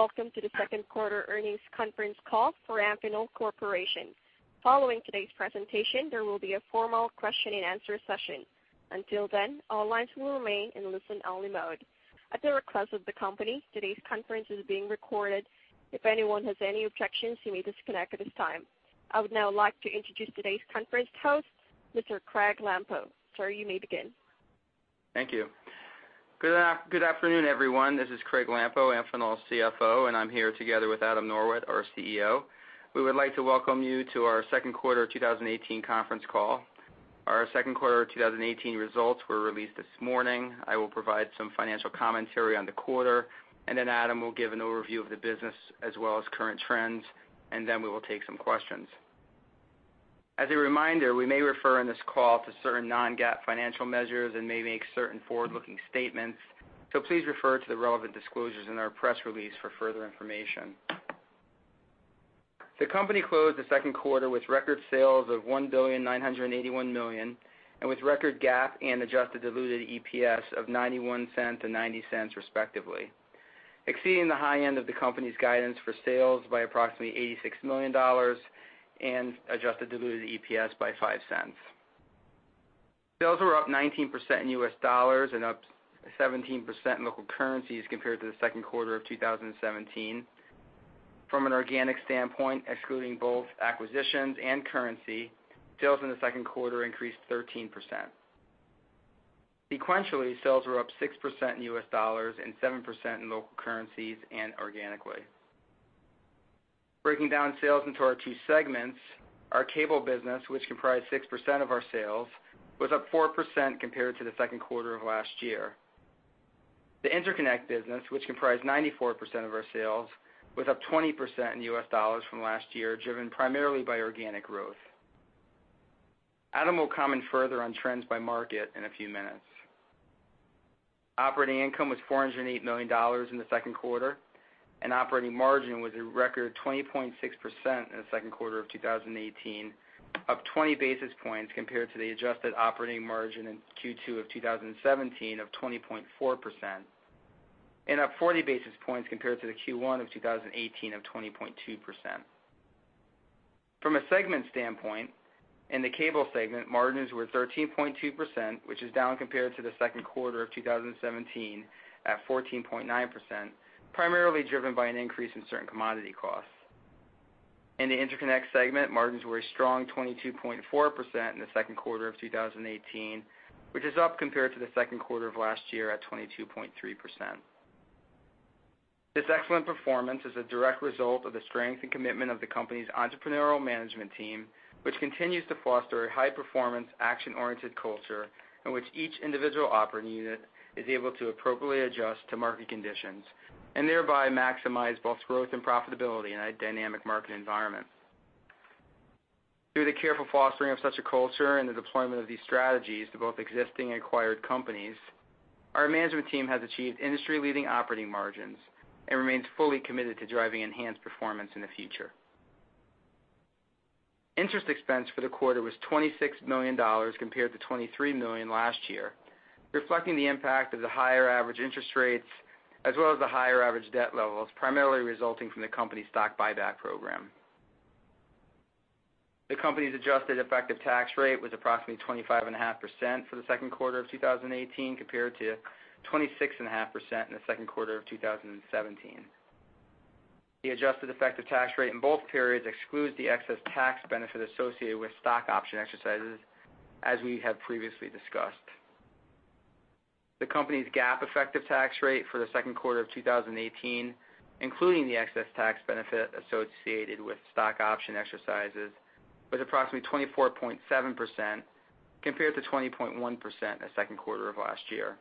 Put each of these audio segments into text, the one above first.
Hello, and welcome to the second quarter earnings conference call for Amphenol Corporation. Following today's presentation, there will be a formal question-and-answer session. Until then, all lines will remain in listen-only mode. At the request of the company, today's conference is being recorded. If anyone has any objections, you may disconnect at this time. I would now like to introduce today's conference host, Mr. Craig Lampo. Sir, you may begin. Thank you. Good afternoon, everyone. This is Craig Lampo, Amphenol's CFO, and I'm here together with Adam Norwitt, our CEO. We would like to welcome you to our second quarter of 2018 conference call. Our second quarter of 2018 results were released this morning. I will provide some financial commentary on the quarter, and then Adam will give an overview of the business as well as current trends, and then we will take some questions. As a reminder, we may refer in this call to certain non-GAAP financial measures and may make certain forward-looking statements, so please refer to the relevant disclosures in our press release for further information. The company closed the second quarter with record sales of $1.981 billion, and with record GAAP and adjusted diluted EPS of $0.91 and $0.90, respectively, exceeding the high end of the company's guidance for sales by approximately $86 million and adjusted diluted EPS by $0.05. Sales were up 19% in U.S. dollars and up 17% in local currencies compared to the second quarter of 2017. From an organic standpoint, excluding both acquisitions and currency, sales in the second quarter increased 13%. Sequentially, sales were up 6% in U.S. dollars and 7% in local currencies and organically. Breaking down sales into our two segments, our cable business, which comprised 6% of our sales, was up 4% compared to the second quarter of last year. The interconnect business, which comprised 94% of our sales, was up 20% in U.S. dollars from last year, driven primarily by organic growth. Adam will comment further on trends by market in a few minutes. Operating income was $408 million in the second quarter, and operating margin was a record 20.6% in the second quarter of 2018, up 20 basis points compared to the adjusted operating margin in Q2 of 2017 of 20.4%, and up 40 basis points compared to the Q1 of 2018 of 20.2%. From a segment standpoint, in the cable segment, margins were 13.2%, which is down compared to the second quarter of 2017 at 14.9%, primarily driven by an increase in certain commodity costs. In the interconnect segment, margins were a strong 22.4% in the second quarter of 2018, which is up compared to the second quarter of last year at 22.3%. This excellent performance is a direct result of the strength and commitment of the company's entrepreneurial management team, which continues to foster a high-performance, action-oriented culture in which each individual operating unit is able to appropriately adjust to market conditions and thereby maximize both growth and profitability in a dynamic market environment. Through the careful fostering of such a culture and the deployment of these strategies to both existing and acquired companies, our management team has achieved industry-leading operating margins and remains fully committed to driving enhanced performance in the future. Interest expense for the quarter was $26 million, compared to $23 million last year, reflecting the impact of the higher average interest rates, as well as the higher average debt levels, primarily resulting from the company's stock buyback program. The company's adjusted effective tax rate was approximately 25.5% for the second quarter of 2018, compared to 26.5% in the second quarter of 2017. The adjusted effective tax rate in both periods excludes the excess tax benefit associated with stock option exercises, as we have previously discussed. The company's GAAP effective tax rate for the second quarter of 2018, including the excess tax benefit associated with stock option exercises, was approximately 24.7%, compared to 20.1% in the second quarter of last year.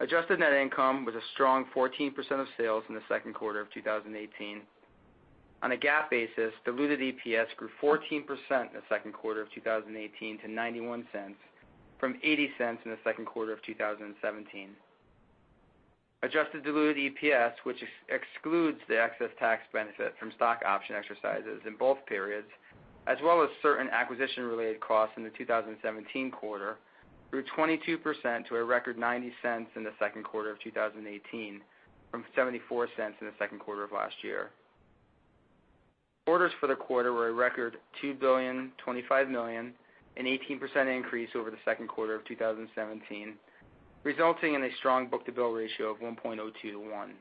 Adjusted net income was a strong 14% of sales in the second quarter of 2018. On a GAAP basis, diluted EPS grew 14% in the second quarter of 2018 to $0.91, from $0.80 in the second quarter of 2017. Adjusted diluted EPS, which excludes the excess tax benefit from stock option exercises in both periods, as well as certain acquisition-related costs in the 2017 quarter, grew 22% to a record $0.90 in the second quarter of 2018 from $0.74 in the second quarter of last year. Orders for the quarter were a record $2.025 billion, an 18% increase over the second quarter of 2017, resulting in a strong book-to-bill ratio of 1.02 to 1.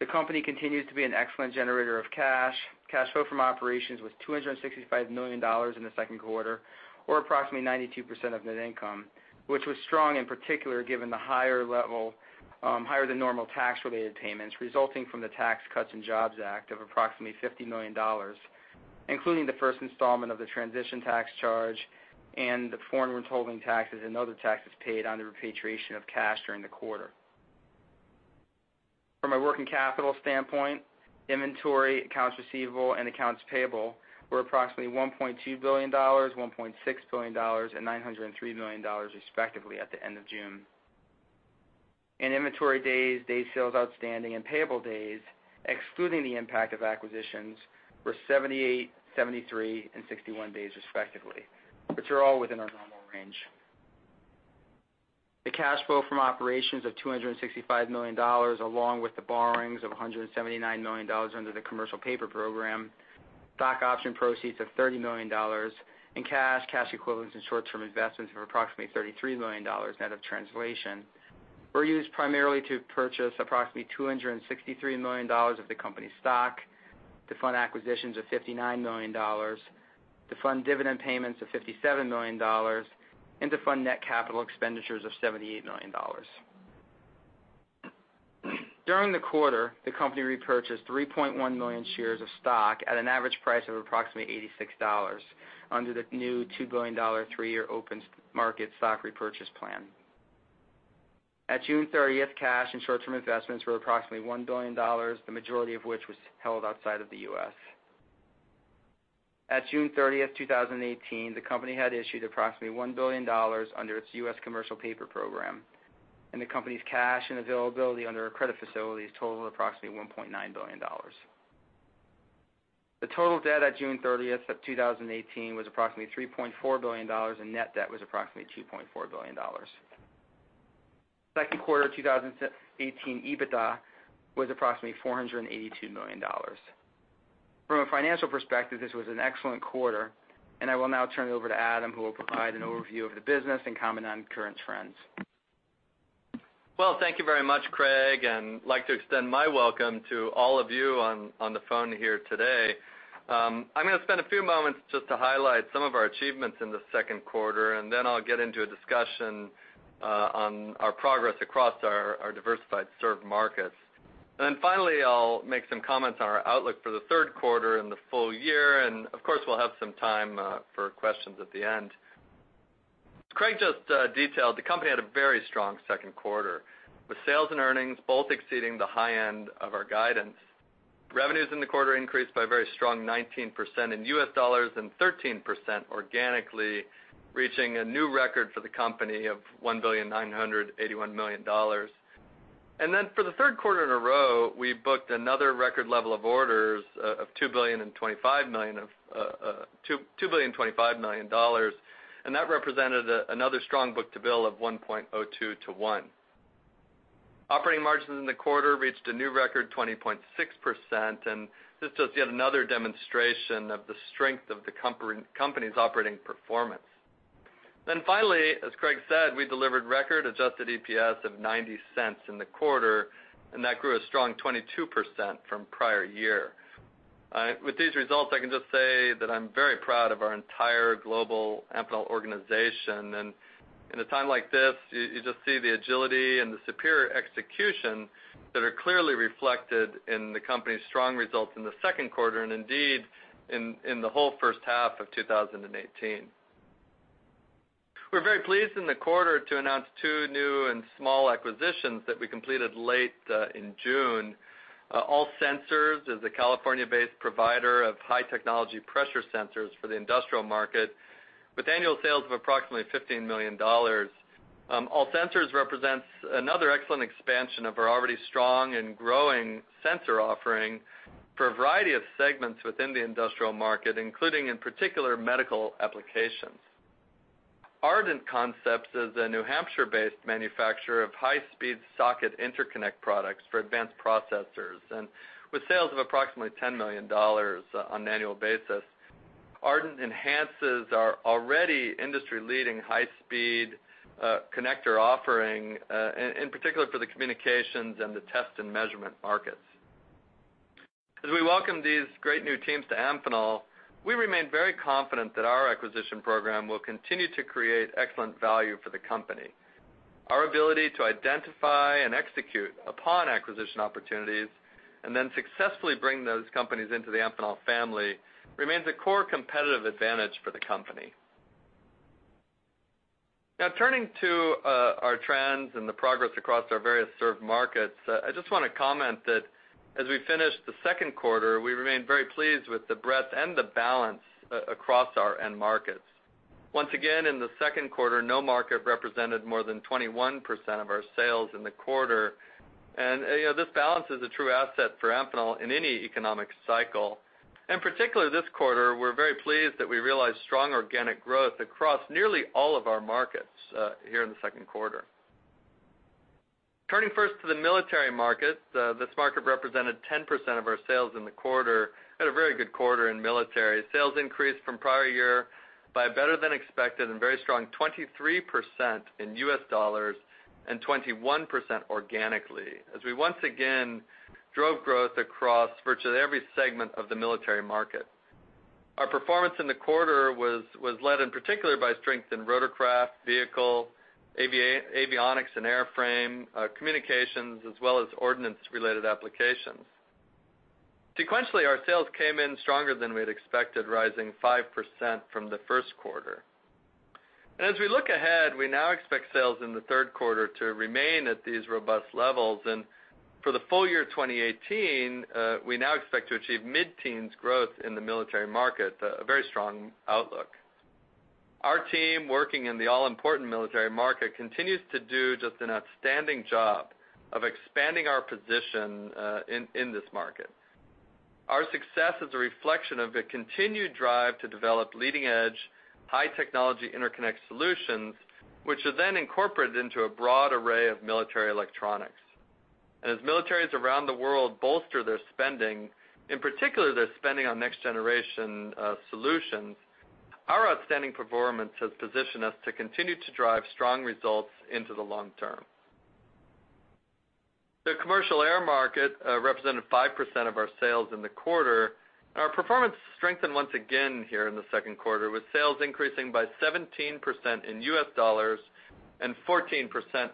The company continues to be an excellent generator of cash. Cash flow from operations was $265 million in the second quarter, or approximately 92% of net income, which was strong, in particular, given the higher level, higher-than-normal tax-related payments resulting from the Tax Cuts and Jobs Act of approximately $50 million, including the first installment of the transition tax charge and the foreign withholding taxes and other taxes paid on the repatriation of cash during the quarter. From a working capital standpoint, inventory, accounts receivable, and accounts payable were approximately $1.2 billion, $1.6 billion, and $903 million, respectively, at the end of June. Inventory days, days sales outstanding, and payable days, excluding the impact of acquisitions, were 78, 73, and 61 days respectively, which are all within our normal range. The cash flow from operations of $265 million, along with the borrowings of $179 million under the commercial paper program, stock option proceeds of $30 million, and cash, cash equivalents and short-term investments of approximately $33 million net of translation, were used primarily to purchase approximately $263 million of the company's stock, to fund acquisitions of $59 million, to fund dividend payments of $57 million, and to fund net capital expenditures of $78 million. During the quarter, the company repurchased 3.1 million shares of stock at an average price of approximately $86 under the new $2 billion, 3-year open market stock repurchase plan. At June 30, cash and short-term investments were approximately $1 billion, the majority of which was held outside of the U.S. At June thirtieth, two thousand and eighteen, the company had issued approximately $1 billion under its U.S. commercial paper program, and the company's cash and availability under our credit facilities totaled approximately $1.9 billion. The total debt at June thirtieth of two thousand and eighteen was approximately $3.4 billion, and net debt was approximately $2.4 billion. Second quarter two thousand and eighteen EBITDA was approximately $482 million. From a financial perspective, this was an excellent quarter, and I will now turn it over to Adam, who will provide an overview of the business and comment on current trends. Well, thank you very much, Craig, and I'd like to extend my welcome to all of you on the phone here today. I'm gonna spend a few moments just to highlight some of our achievements in the second quarter, and then I'll get into a discussion on our progress across our diversified served markets. And then finally, I'll make some comments on our outlook for the third quarter and the full year, and of course, we'll have some time for questions at the end. As Craig just detailed, the company had a very strong second quarter, with sales and earnings both exceeding the high end of our guidance. Revenues in the quarter increased by a very strong 19% in U.S. dollars and 13% organically, reaching a new record for the company of $1.981 billion. And then, for the third quarter in a row, we booked another record level of orders, of $2.025 billion, and that represented another strong book-to-bill of 1.02 to 1. Operating margins in the quarter reached a new record, 20.6%, and this is just yet another demonstration of the strength of the company's operating performance. Then finally, as Craig said, we delivered record adjusted EPS of $0.90 in the quarter, and that grew a strong 22% from prior year. With these results, I can just say that I'm very proud of our entire global Amphenol organization, and in a time like this, you just see the agility and the superior execution that are clearly reflected in the company's strong results in the second quarter, and indeed, in the whole first half of 2018. We're very pleased in the quarter to announce two new and small acquisitions that we completed late in June. All Sensors is a California-based provider of high technology pressure sensors for the industrial market, with annual sales of approximately $15 million. All Sensors represents another excellent expansion of our already strong and growing sensor offering for a variety of segments within the industrial market, including, in particular, medical applications. Ardent Concepts is a New Hampshire-based manufacturer of high-speed socket interconnect products for advanced processors, and with sales of approximately $10 million on an annual basis, Ardent enhances our already industry-leading, high-speed, connector offering, in particular for the communications and the test and measurement markets. As we welcome these great new teams to Amphenol, we remain very confident that our acquisition program will continue to create excellent value for the company. Our ability to identify and execute upon acquisition opportunities, and then successfully bring those companies into the Amphenol family, remains a core competitive advantage for the company. Now turning to our trends and the progress across our various served markets, I just want to comment that as we finish the second quarter, we remain very pleased with the breadth and the balance across our end markets. Once again, in the second quarter, no market represented more than 21% of our sales in the quarter. You know, this balance is a true asset for Amphenol in any economic cycle. Particularly this quarter, we're very pleased that we realized strong organic growth across nearly all of our markets here in the second quarter. Turning first to the military market, this market represented 10% of our sales in the quarter, had a very good quarter in military. Sales increased from prior year by better than expected and very strong 23% in U.S. dollars and 21% organically, as we once again drove growth across virtually every segment of the military market. Our performance in the quarter was led in particular by strength in rotorcraft, vehicle, avionics and airframe, communications, as well as ordnance-related applications. Sequentially, our sales came in stronger than we had expected, rising 5% from the first quarter. And as we look ahead, we now expect sales in the third quarter to remain at these robust levels, and for the full year 2018, we now expect to achieve mid-teens growth in the military market, a very strong outlook. Our team, working in the all-important military market, continues to do just an outstanding job of expanding our position in this market. Our success is a reflection of the continued drive to develop leading-edge, high-technology interconnect solutions, which are then incorporated into a broad array of military electronics. And as militaries around the world bolster their spending, in particular, their spending on next-generation solutions, our outstanding performance has positioned us to continue to drive strong results into the long term. The commercial air market represented 5% of our sales in the quarter. Our performance strengthened once again here in the second quarter, with sales increasing by 17% in U.S. dollars and 14%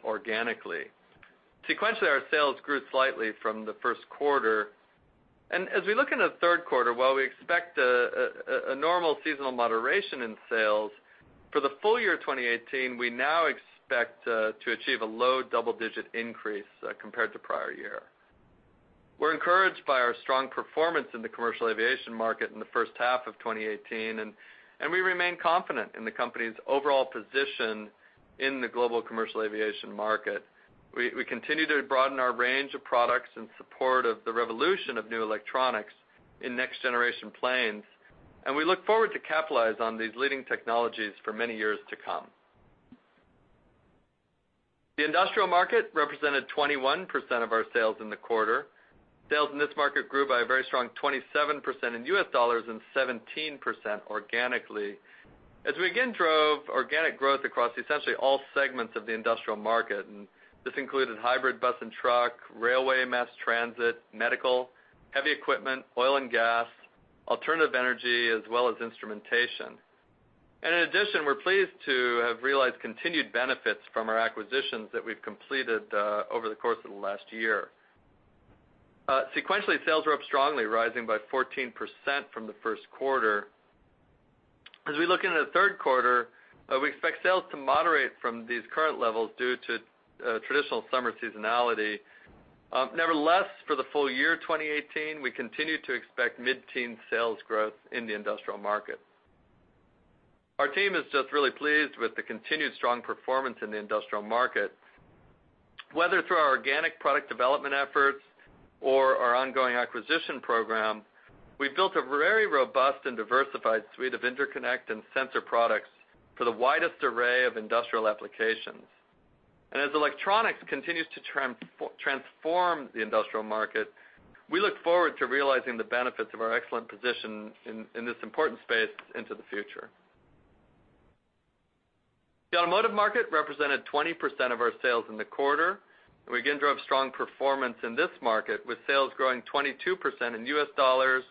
organically. Sequentially, our sales grew slightly from the first quarter, and as we look into the third quarter, while we expect a normal seasonal moderation in sales, for the full year 2018, we now expect to achieve a low double-digit increase compared to prior year. We're encouraged by our strong performance in the commercial aviation market in the first half of 2018, and, and we remain confident in the company's overall position in the global commercial aviation market. We continue to broaden our range of products in support of the revolution of new electronics in next-generation planes, and we look forward to capitalize on these leading technologies for many years to come. The industrial market represented 21% of our sales in the quarter. Sales in this market grew by a very strong 27% in U.S. dollars and 17% organically, as we again drove organic growth across essentially all segments of the industrial market, and this included hybrid bus and truck, railway, mass transit, medical, heavy equipment, oil and gas, alternative energy, as well as instrumentation. In addition, we're pleased to have realized continued benefits from our acquisitions that we've completed over the course of the last year. Sequentially, sales were up strongly, rising by 14% from the first quarter. As we look into the third quarter, we expect sales to moderate from these current levels due to traditional summer seasonality. Nevertheless, for the full year 2018, we continue to expect mid-teen sales growth in the industrial market. Our team is just really pleased with the continued strong performance in the industrial market. Whether through our organic product development efforts or our ongoing acquisition program, we've built a very robust and diversified suite of interconnect and sensor products for the widest array of industrial applications. As electronics continues to transform the industrial market, we look forward to realizing the benefits of our excellent position in this important space into the future. The automotive market represented 20% of our sales in the quarter, and we again drove strong performance in this market, with sales growing 22% in U.S. dollars,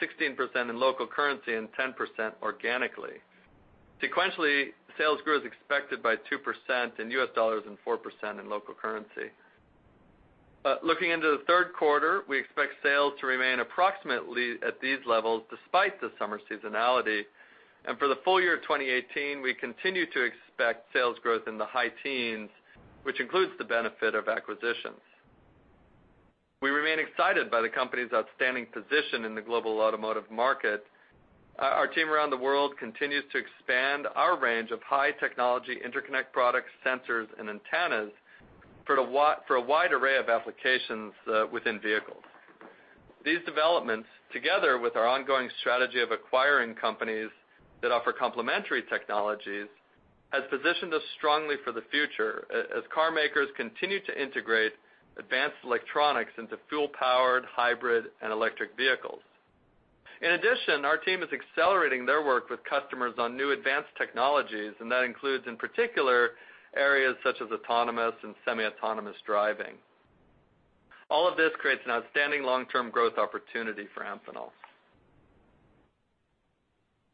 16% in local currency, and 10% organically. Sequentially, sales grew as expected by 2% in U.S. dollars and 4% in local currency. Looking into the third quarter, we expect sales to remain approximately at these levels despite the summer seasonality, and for the full year 2018, we continue to expect sales growth in the high teens, which includes the benefit of acquisitions. We remain excited by the company's outstanding position in the global automotive market. Our team around the world continues to expand our range of high-technology interconnect products, sensors, and antennas for a wide array of applications within vehicles. These developments, together with our ongoing strategy of acquiring companies that offer complementary technologies, has positioned us strongly for the future, as car makers continue to integrate advanced electronics into fuel-powered, hybrid, and electric vehicles. In addition, our team is accelerating their work with customers on new advanced technologies, and that includes, in particular, areas such as autonomous and semi-autonomous driving. All of this creates an outstanding long-term growth opportunity for Amphenol.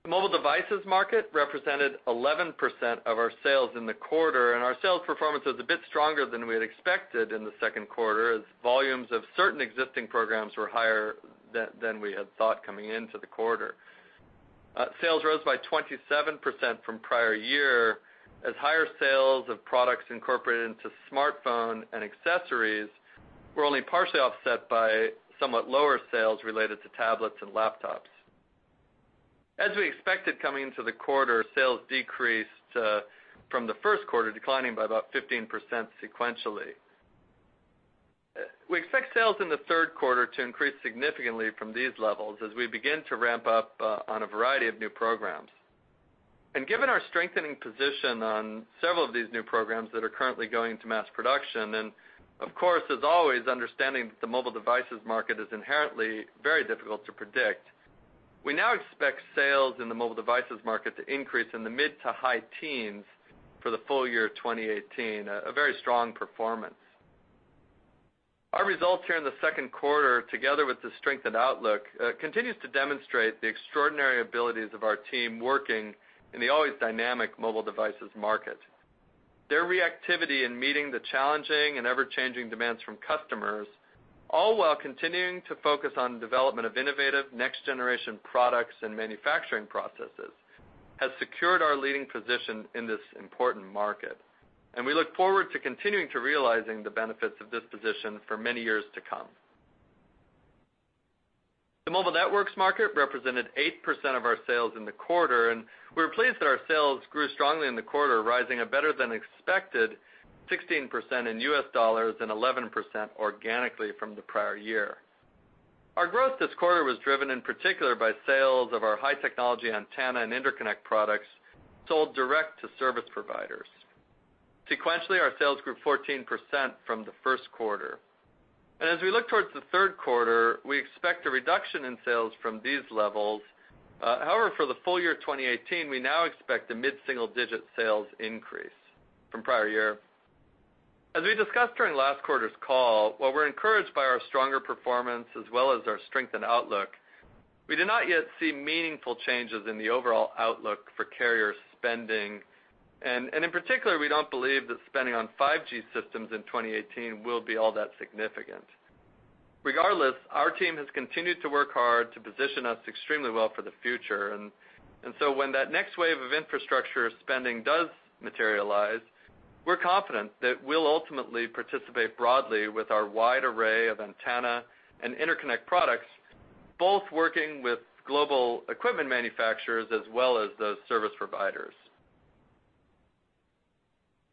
The mobile devices market represented 11% of our sales in the quarter, and our sales performance was a bit stronger than we had expected in the second quarter, as volumes of certain existing programs were higher than we had thought coming into the quarter. Sales rose by 27% from prior year, as higher sales of products incorporated into smartphone and accessories were only partially offset by somewhat lower sales related to tablets and laptops. As we expected coming into the quarter, sales decreased from the first quarter, declining by about 15% sequentially. We expect sales in the third quarter to increase significantly from these levels as we begin to ramp up on a variety of new programs. And given our strengthening position on several of these new programs that are currently going into mass production, and, of course, as always, understanding that the mobile devices market is inherently very difficult to predict, we now expect sales in the mobile devices market to increase in the mid- to high-teens% for the full year 2018, a very strong performance. Our results here in the second quarter, together with the strengthened outlook, continues to demonstrate the extraordinary abilities of our team working in the always dynamic mobile devices market. Their reactivity in meeting the challenging and ever-changing demands from customers, all while continuing to focus on development of innovative, next-generation products and manufacturing processes, has secured our leading position in this important market. And we look forward to continuing to realizing the benefits of this position for many years to come....The mobile networks market represented 8% of our sales in the quarter, and we're pleased that our sales grew strongly in the quarter, rising a better than expected 16% in U.S. dollars and 11% organically from the prior year. Our growth this quarter was driven, in particular, by sales of our high technology antenna and interconnect products sold direct to service providers. Sequentially, our sales grew 14% from the first quarter. And as we look towards the third quarter, we expect a reduction in sales from these levels. However, for the full year 2018, we now expect a mid-single-digit sales increase from prior year. As we discussed during last quarter's call, while we're encouraged by our stronger performance as well as our strengthened outlook, we do not yet see meaningful changes in the overall outlook for carrier spending. And in particular, we don't believe that spending on 5G systems in 2018 will be all that significant. Regardless, our team has continued to work hard to position us extremely well for the future. And so when that next wave of infrastructure spending does materialize, we're confident that we'll ultimately participate broadly with our wide array of antenna and interconnect products, both working with global equipment manufacturers as well as those service providers.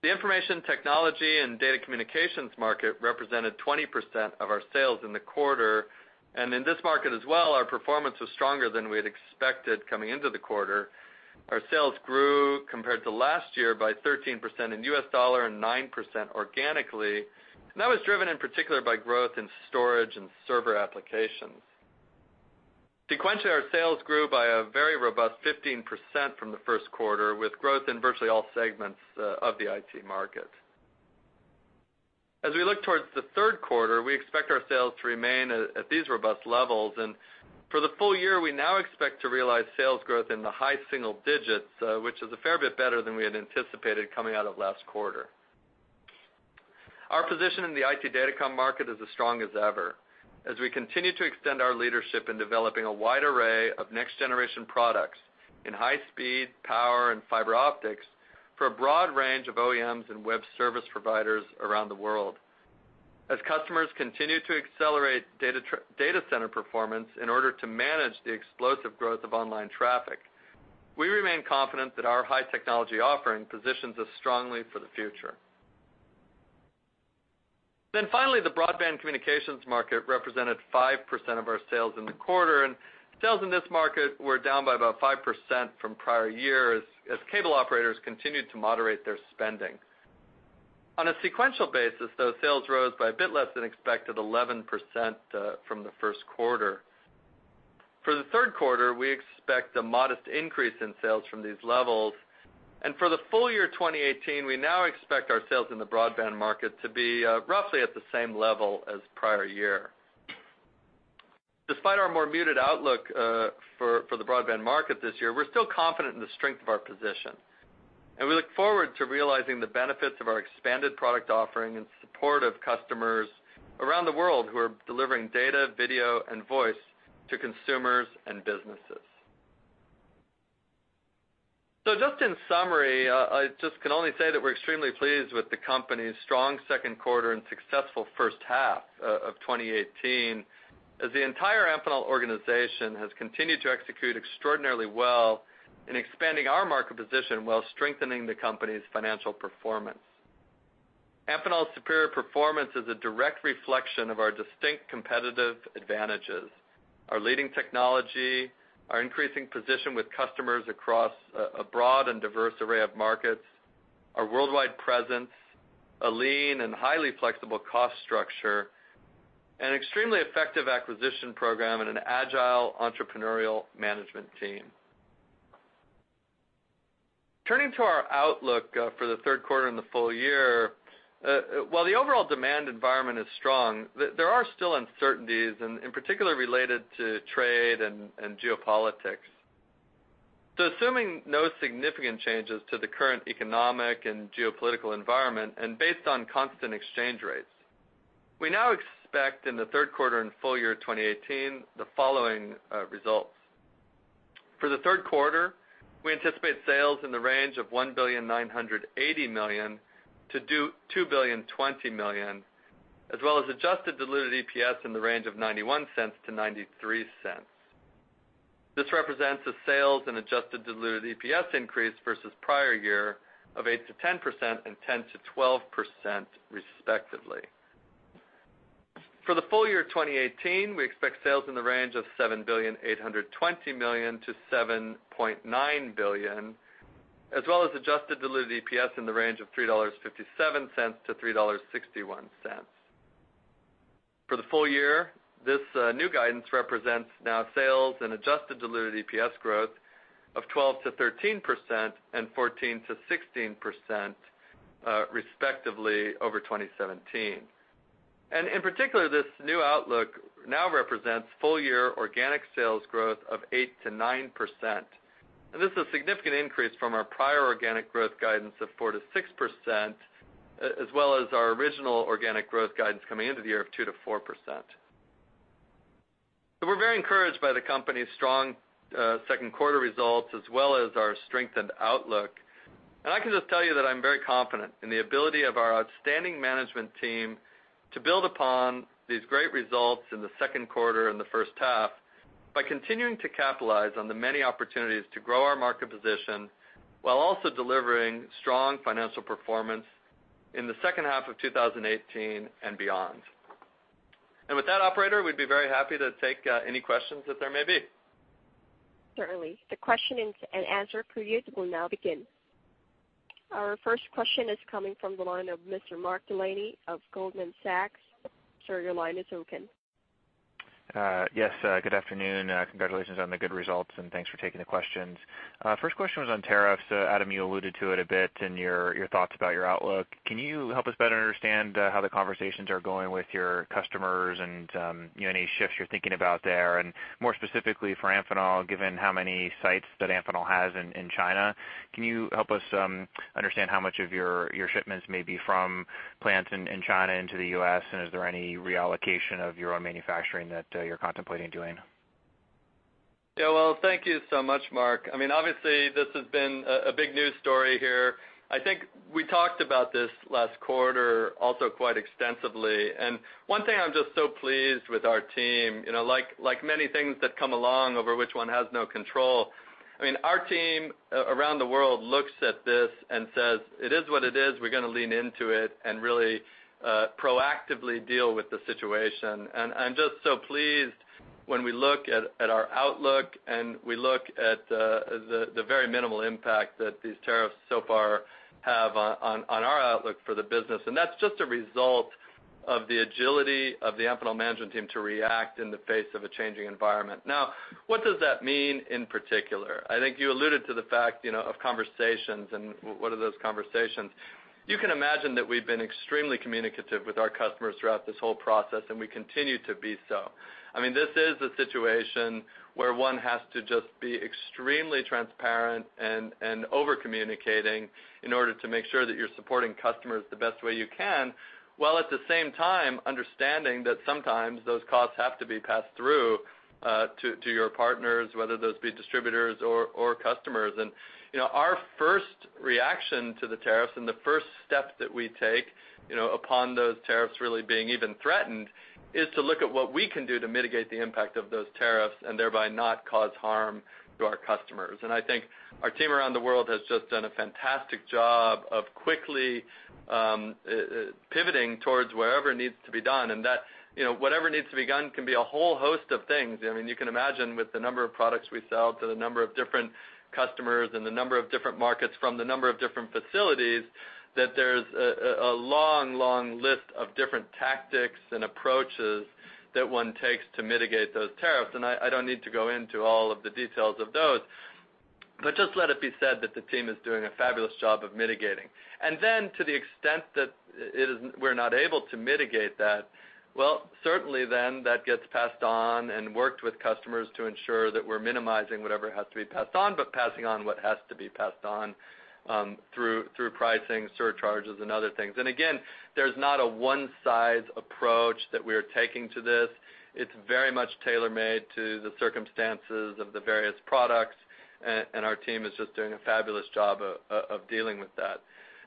The information technology and data communications market represented 20% of our sales in the quarter, and in this market as well, our performance was stronger than we had expected coming into the quarter. Our sales grew, compared to last year, by 13% in U.S. dollar and 9% organically, and that was driven, in particular, by growth in storage and server applications. Sequentially, our sales grew by a very robust 15% from the first quarter, with growth in virtually all segments, of the IT market. As we look towards the third quarter, we expect our sales to remain at these robust levels. For the full year, we now expect to realize sales growth in the high single digits, which is a fair bit better than we had anticipated coming out of last quarter. Our position in the IT datacom market is as strong as ever, as we continue to extend our leadership in developing a wide array of next-generation products in high speed, power, and fiber optics for a broad range of OEMs and web service providers around the world. As customers continue to accelerate data center performance in order to manage the explosive growth of online traffic, we remain confident that our high technology offering positions us strongly for the future. Then finally, the broadband communications market represented 5% of our sales in the quarter, and sales in this market were down by about 5% from prior years as cable operators continued to moderate their spending. On a sequential basis, though, sales rose by a bit less than expected, 11%, from the first quarter. For the third quarter, we expect a modest increase in sales from these levels. For the full year 2018, we now expect our sales in the broadband market to be, roughly at the same level as prior year. Despite our more muted outlook for the broadband market this year, we're still confident in the strength of our position, and we look forward to realizing the benefits of our expanded product offering in support of customers around the world who are delivering data, video, and voice to consumers and businesses. So just in summary, I just can only say that we're extremely pleased with the company's strong second quarter and successful first half of 2018, as the entire Amphenol organization has continued to execute extraordinarily well in expanding our market position while strengthening the company's financial performance. Amphenol's superior performance is a direct reflection of our distinct competitive advantages, our leading technology, our increasing position with customers across a broad and diverse array of markets, our worldwide presence, a lean and highly flexible cost structure, an extremely effective acquisition program, and an agile, entrepreneurial management team. Turning to our outlook, for the third quarter and the full year, while the overall demand environment is strong, there are still uncertainties, and in particular, related to trade and geopolitics. So assuming no significant changes to the current economic and geopolitical environment, and based on constant exchange rates, we now expect in the third quarter and full year of 2018, the following, results. For the third quarter, we anticipate sales in the range of $1.98 billion-$2.02 billion, as well as adjusted diluted EPS in the range of $0.91-$0.93. This represents a sales and adjusted diluted EPS increase versus prior year of 8%-10% and 10%-12%, respectively. For the full year of 2018, we expect sales in the range of $7.82 billion-$7.9 billion, as well as adjusted diluted EPS in the range of $3.57-$3.61. For the full year, this new guidance represents now sales and adjusted diluted EPS growth of 12%-13% and 14%-16%, respectively, over 2017. In particular, this new outlook now represents full-year organic sales growth of 8%-9%. This is a significant increase from our prior organic growth guidance of 4%-6%, as well as our original organic growth guidance coming into the year of 2%-4%. We're very encouraged by the company's strong second quarter results, as well as our strengthened outlook.... I can just tell you that I'm very confident in the ability of our outstanding management team to build upon these great results in the second quarter and the first half, by continuing to capitalize on the many opportunities to grow our market position, while also delivering strong financial performance in the second half of 2018 and beyond. With that, operator, we'd be very happy to take any questions that there may be. Certainly. The question and answer period will now begin. Our first question is coming from the line of Mr. Mark Delaney of Goldman Sachs. Sir, your line is open. Yes, good afternoon. Congratulations on the good results, and thanks for taking the questions. First question was on tariffs. Adam, you alluded to it a bit in your, your thoughts about your outlook. Can you help us better understand how the conversations are going with your customers and, you know, any shifts you're thinking about there? And more specifically for Amphenol, given how many sites that Amphenol has in China, can you help us understand how much of your, your shipments may be from plants in China into the U.S., and is there any reallocation of your own manufacturing that you're contemplating doing? Yeah, well, thank you so much, Mark. I mean, obviously, this has been a big news story here. I think we talked about this last quarter also quite extensively. And one thing I'm just so pleased with our team, you know, like many things that come along over which one has no control, I mean, our team around the world looks at this and says, "It is what it is. We're gonna lean into it and really proactively deal with the situation." And I'm just so pleased when we look at our outlook and we look at the very minimal impact that these tariffs so far have on our outlook for the business, and that's just a result of the agility of the Amphenol management team to react in the face of a changing environment. Now, what does that mean in particular? I think you alluded to the fact, you know, of conversations, and what are those conversations? You can imagine that we've been extremely communicative with our customers throughout this whole process, and we continue to be so. I mean, this is a situation where one has to just be extremely transparent and, and over-communicating in order to make sure that you're supporting customers the best way you can, while at the same time, understanding that sometimes those costs have to be passed through, to, to your partners, whether those be distributors or, or customers. You know, our first reaction to the tariffs and the first step that we take, you know, upon those tariffs really being even threatened, is to look at what we can do to mitigate the impact of those tariffs and thereby not cause harm to our customers. I think our team around the world has just done a fantastic job of quickly pivoting towards wherever needs to be done, and that. You know, whatever needs to be done can be a whole host of things. I mean, you can imagine with the number of products we sell to the number of different customers and the number of different markets from the number of different facilities, that there's a long, long list of different tactics and approaches that one takes to mitigate those tariffs. I don't need to go into all of the details of those, but just let it be said that the team is doing a fabulous job of mitigating. Then to the extent that it isn't, we're not able to mitigate that, well, certainly then, that gets passed on and worked with customers to ensure that we're minimizing whatever has to be passed on, but passing on what has to be passed on, through pricing, surcharges, and other things. And again, there's not a one-size approach that we're taking to this. It's very much tailor-made to the circumstances of the various products, and our team is just doing a fabulous job of dealing with that.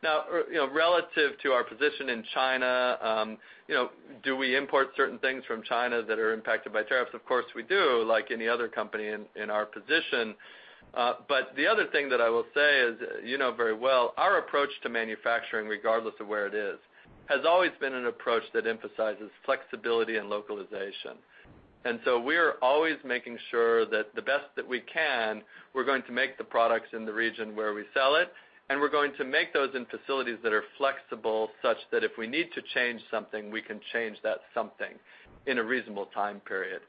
Now, you know, relative to our position in China, you know, do we import certain things from China that are impacted by tariffs? Of course, we do, like any other company in, in our position. But the other thing that I will say is, you know very well, our approach to manufacturing, regardless of where it is, has always been an approach that emphasizes flexibility and localization. And so we're always making sure that the best that we can, we're going to make the products in the region where we sell it, and we're going to make those in facilities that are flexible, such that if we need to change something, we can change that something in a reasonable time period.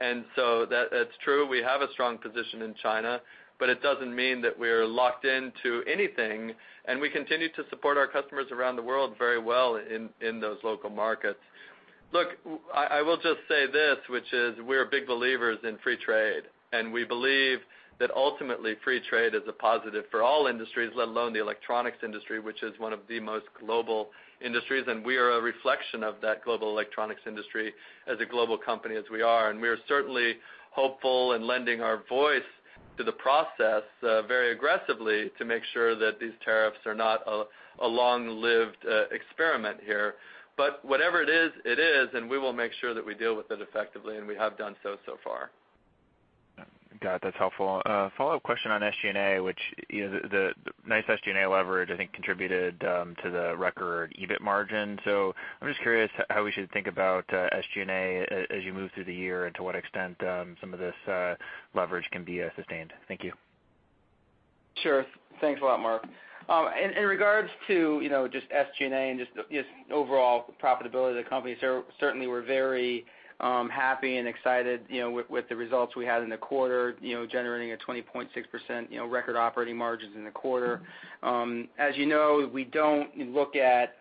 And so that's true, we have a strong position in China, but it doesn't mean that we're locked into anything, and we continue to support our customers around the world very well in, in those local markets. Look, I will just say this, which is we're big believers in free trade, and we believe that ultimately, free trade is a positive for all industries, let alone the electronics industry, which is one of the most global industries. And we are a reflection of that global electronics industry as a global company, as we are, and we are certainly hopeful and lending our voice to the process, very aggressively, to make sure that these tariffs are not a long-lived experiment here. But whatever it is, it is, and we will make sure that we deal with it effectively, and we have done so so far. Yeah. Got it. That's helpful. A follow-up question on SG&A, which, you know, the nice SG&A leverage, I think, contributed to the record EBIT margin. So I'm just curious how we should think about SG&A as you move through the year, and to what extent some of this leverage can be sustained. Thank you. Sure. Thanks a lot, Mark. In regards to, you know, just SG&A and just overall profitability of the company, certainly we're very happy and excited, you know, with the results we had in the quarter, you know, generating a 20.6% record operating margins in the quarter. As you know, we don't look at,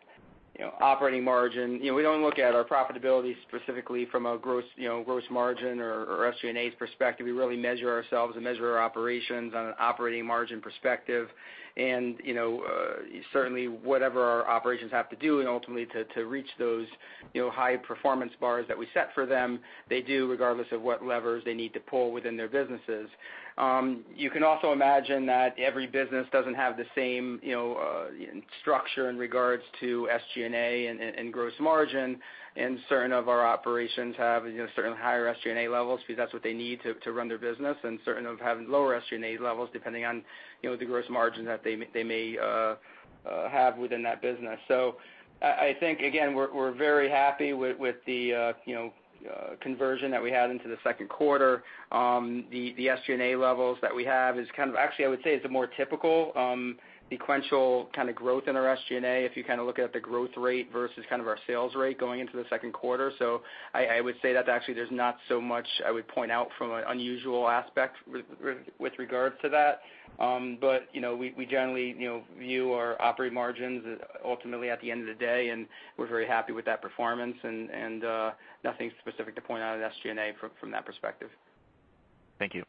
you know, operating margin. You know, we don't look at our profitability specifically from a gross, you know, gross margin or SG&A perspective. We really measure ourselves and measure our operations on an operating margin perspective. Certainly whatever our operations have to do and ultimately to reach those, you know, high performance bars that we set for them, they do, regardless of what levers they need to pull within their businesses. You can also imagine that every business doesn't have the same, you know, structure in regards to SG&A and, and gross margin, and certain of our operations have, you know, certainly higher SG&A levels because that's what they need to, to run their business, and certain of having lower SG&A levels, depending on, you know, the gross margin that they may, they may, have within that business. So I think, again, we're, we're very happy with, with the, you know, conversion that we had into the second quarter. The SG&A levels that we have is kind of, actually, I would say it's a more typical, sequential kind of growth in our SG&A, if you kind of look at the growth rate versus kind of our sales rate going into the second quarter. So I would say that actually there's not so much I would point out from an unusual aspect with regards to that. But, you know, we generally, you know, view our operating margins ultimately at the end of the day, and we're very happy with that performance, and nothing specific to point out in SG&A from that perspective. Thank you.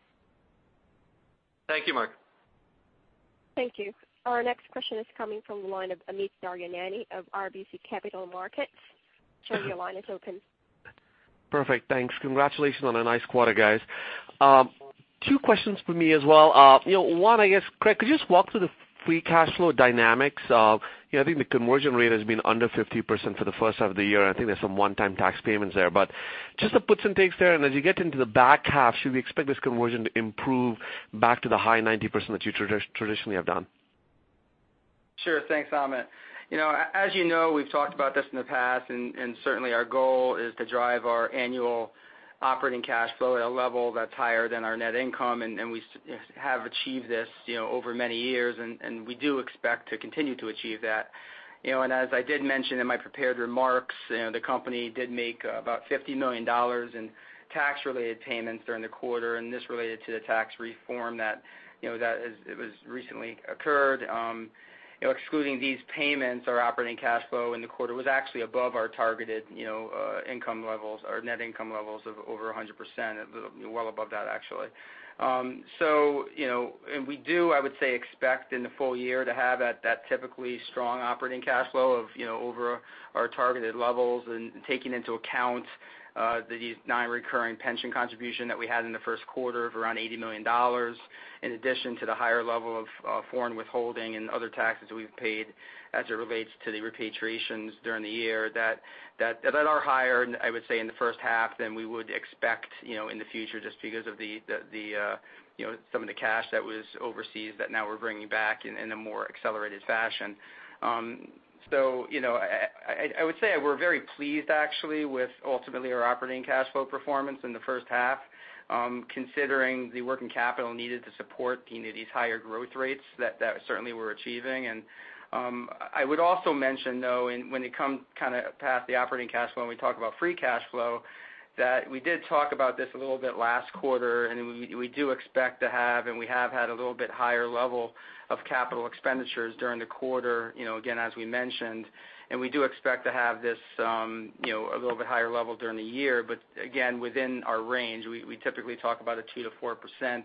Thank you, Mark. Thank you. Our next question is coming from the line of Amit Daryanani of RBC Capital Markets. Sir, your line is open. Perfect. Thanks. Congratulations on a nice quarter, guys. Two questions for me as well. You know, one, I guess, Craig, could you just walk through the free cash flow dynamics of, you know, I think the conversion rate has been under 50% for the first half of the year, and I think there's some one-time tax payments there. But just the puts and takes there, and as you get into the back half, should we expect this conversion to improve back to the high 90% that you traditionally have done? Sure. Thanks, Amit. You know, as you know, we've talked about this in the past, and certainly our goal is to drive our annual operating cash flow at a level that's higher than our net income, and we have achieved this, you know, over many years, and we do expect to continue to achieve that. You know, and as I did mention in my prepared remarks, you know, the company did make about $50 million in tax-related payments during the quarter, and this related to the tax reform that, you know, that it was recently occurred. You know, excluding these payments, our operating cash flow in the quarter was actually above our targeted, you know, income levels or net income levels of over 100%, well above that, actually. So, you know, and we do, I would say, expect in the full year to have that typically strong operating cash flow of, you know, over our targeted levels. And taking into account the non-recurring pension contribution that we had in the first quarter of around $80 million, in addition to the higher level of foreign withholding and other taxes we've paid as it relates to the repatriations during the year, that are higher, I would say, in the first half than we would expect, you know, in the future, just because of you know, some of the cash that was overseas that now we're bringing back in a more accelerated fashion. So, you know, I would say we're very pleased, actually, with ultimately our operating cash flow performance in the first half, considering the working capital needed to support, you know, these higher growth rates that certainly we're achieving. I would also mention, though, when you come kind of past the operating cash flow, and we talk about free cash flow, that we did talk about this a little bit last quarter, and we do expect to have, and we have had a little bit higher level of capital expenditures during the quarter, you know, again, as we mentioned, and we do expect to have this, you know, a little bit higher level during the year. But again, within our range, we typically talk about a 2%-4%,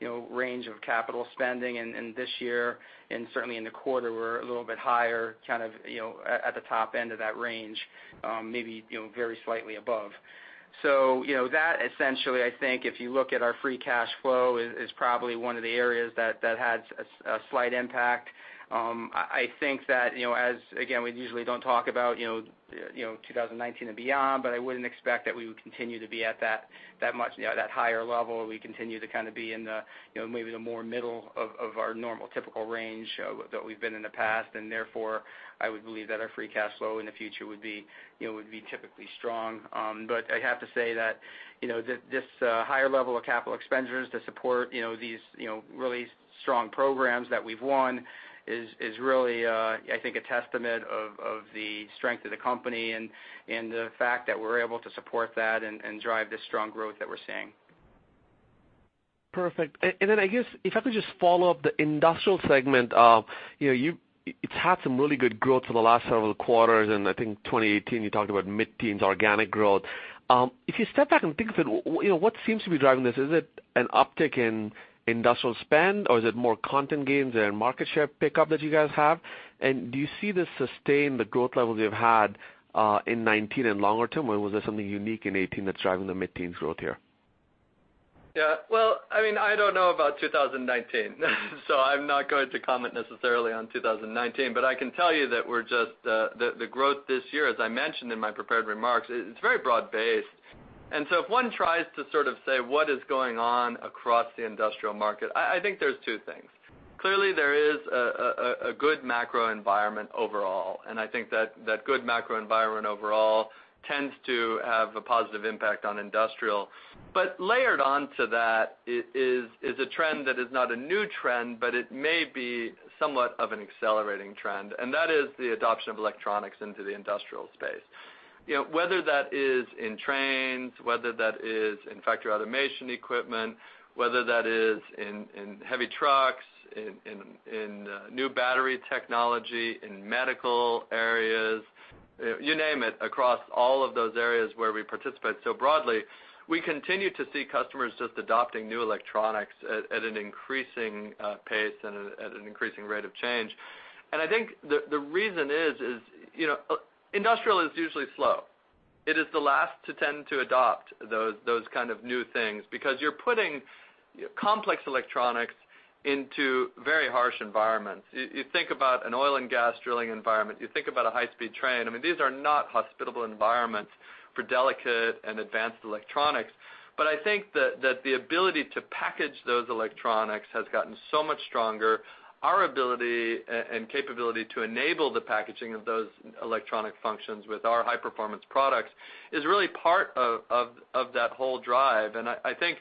you know, range of capital spending, and this year, and certainly in the quarter, we're a little bit higher, kind of, you know, at the top end of that range, maybe, you know, very slightly above. So, you know, that essentially, I think, if you look at our free cash flow, is probably one of the areas that had a slight impact. I think that, you know, as again, we usually don't talk about, you know, 2019 and beyond, but I wouldn't expect that we would continue to be at that much, you know, that higher level. We continue to kind of be in the, you know, maybe the more middle of our normal typical range that we've been in the past, and therefore, I would believe that our free cash flow in the future would be, you know, would be typically strong. But I have to say that, you know, this higher level of capital expenditures to support, you know, these, you know, really strong programs that we've won is really, I think, a testament of the strength of the company and the fact that we're able to support that and drive the strong growth that we're seeing. Perfect. And then I guess, if I could just follow up the industrial segment. You know, it's had some really good growth for the last several quarters, and I think 2018, you talked about mid-teens organic growth. If you step back and think of it, you know, what seems to be driving this? Is it an uptick in industrial spend, or is it more content gains and market share pickup that you guys have? And do you see this sustain the growth levels you've had, in 2019 and longer term, or was there something unique in 2018 that's driving the mid-teens growth here? Yeah. Well, I mean, I don't know about 2019, so I'm not going to comment necessarily on 2019, but I can tell you that we're just the growth this year, as I mentioned in my prepared remarks, it's very broad-based. And so if one tries to sort of say what is going on across the industrial market, I think there's two things. Clearly, there is a good macro environment overall, and I think that good macro environment overall tends to have a positive impact on industrial. But layered onto that is a trend that is not a new trend, but it may be somewhat of an accelerating trend, and that is the adoption of electronics into the industrial space. You know, whether that is in trains, whether that is in factory automation equipment, whether that is in new battery technology, in medical areas-... You name it, across all of those areas where we participate. So broadly, we continue to see customers just adopting new electronics at an increasing pace and at an increasing rate of change. And I think the reason is, you know, industrial is usually slow. It is the last to tend to adopt those kind of new things, because you're putting complex electronics into very harsh environments. You think about an oil and gas drilling environment, you think about a high-speed train, I mean, these are not hospitable environments for delicate and advanced electronics. But I think that the ability to package those electronics has gotten so much stronger, our ability and capability to enable the packaging of those electronic functions with our high-performance products is really part of that whole drive. I think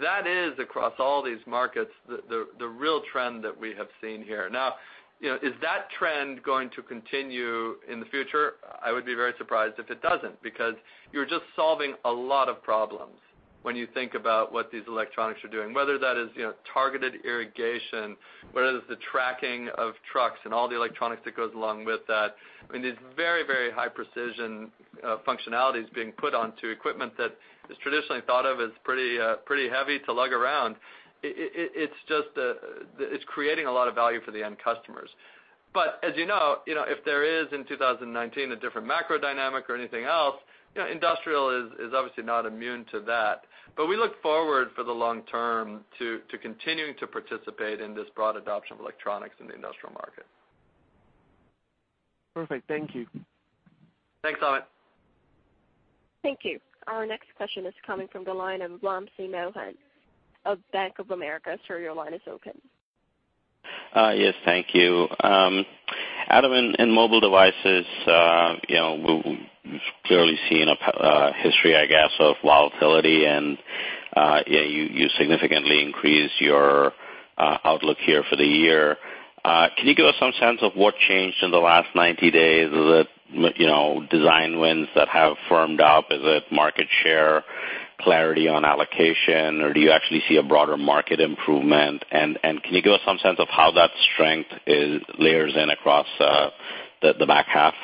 that is, across all these markets, the real trend that we have seen here. Now, you know, is that trend going to continue in the future? I would be very surprised if it doesn't, because you're just solving a lot of problems when you think about what these electronics are doing, whether that is, you know, targeted irrigation, whether it's the tracking of trucks and all the electronics that goes along with that. I mean, these very, very high precision functionalities being put onto equipment that is traditionally thought of as pretty, pretty heavy to lug around. It's just creating a lot of value for the end customers. But as you know, you know, if there is, in 2019, a different macro dynamic or anything else, you know, industrial is obviously not immune to that. We look forward, for the long term, to continuing to participate in this broad adoption of electronics in the industrial market. Perfect. Thank you. Thanks, Amit. Thank you. Our next question is coming from the line of Wamsi Mohan of Bank of America. Sir, your line is open. Yes, thank you. Adam, in mobile devices, you know, we've clearly seen a history, I guess, of volatility, and you significantly increased your outlook here for the year. Can you give us some sense of what changed in the last 90 days? Is it, you know, design wins that have firmed up? Is it market share, clarity on allocation, or do you actually see a broader market improvement? And can you give us some sense of how that strength layers in across the back half?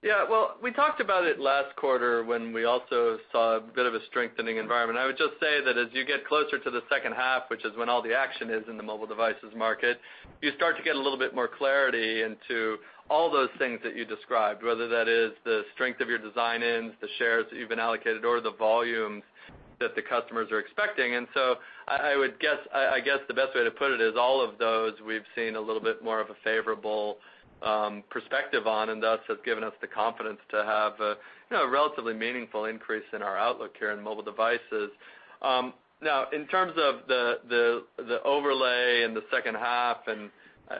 Yeah. Well, we talked about it last quarter when we also saw a bit of a strengthening environment. I would just say that as you get closer to the second half, which is when all the action is in the mobile devices market, you start to get a little bit more clarity into all those things that you described, whether that is the strength of your design-ins, the shares that you've been allocated or the volumes that the customers are expecting. And so I would guess—I guess the best way to put it is all of those we've seen a little bit more of a favorable perspective on, and thus has given us the confidence to have a, you know, a relatively meaningful increase in our outlook here in mobile devices. Now, in terms of the overlay in the second half, and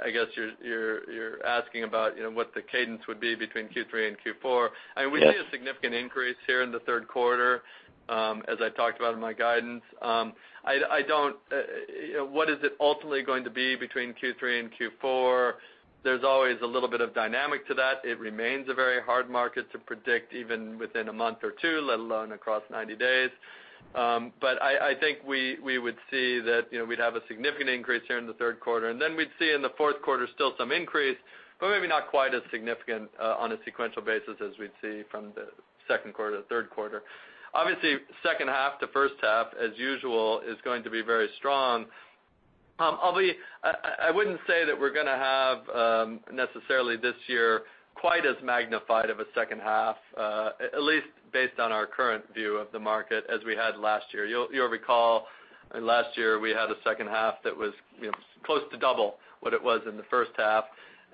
I guess you're asking about, you know, what the cadence would be between Q3 and Q4- Yes. We see a significant increase here in the third quarter, as I talked about in my guidance. You know, what is it ultimately going to be between Q3 and Q4? There's always a little bit of dynamic to that. It remains a very hard market to predict, even within a month or two, let alone across 90 days. But I think we would see that, you know, we'd have a significant increase here in the third quarter, and then we'd see in the fourth quarter still some increase, but maybe not quite as significant, on a sequential basis as we'd see from the second quarter to third quarter. Obviously, second half to first half, as usual, is going to be very strong. I wouldn't say that we're gonna have, necessarily this year, quite as magnified of a second half, at least based on our current view of the market, as we had last year. You'll recall, in last year, we had a second half that was, you know, close to double what it was in the first half.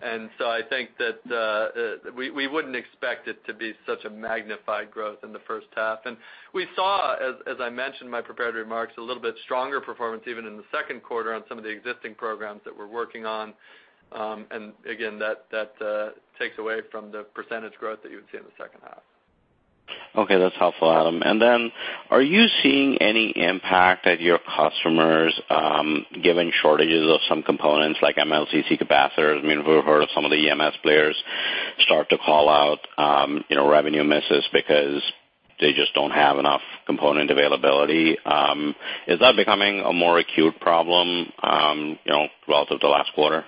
And so I think that we wouldn't expect it to be such a magnified growth in the first half. And we saw, as I mentioned in my prepared remarks, a little bit stronger performance, even in the second quarter, on some of the existing programs that we're working on. And again, that takes away from the percentage growth that you would see in the second half. Okay, that's helpful, Adam. And then, are you seeing any impact at your customers, given shortages of some components like MLCC capacitors? I mean, we've heard some of the EMS players start to call out, you know, revenue misses because they just don't have enough component availability. Is that becoming a more acute problem, you know, relative to last quarter?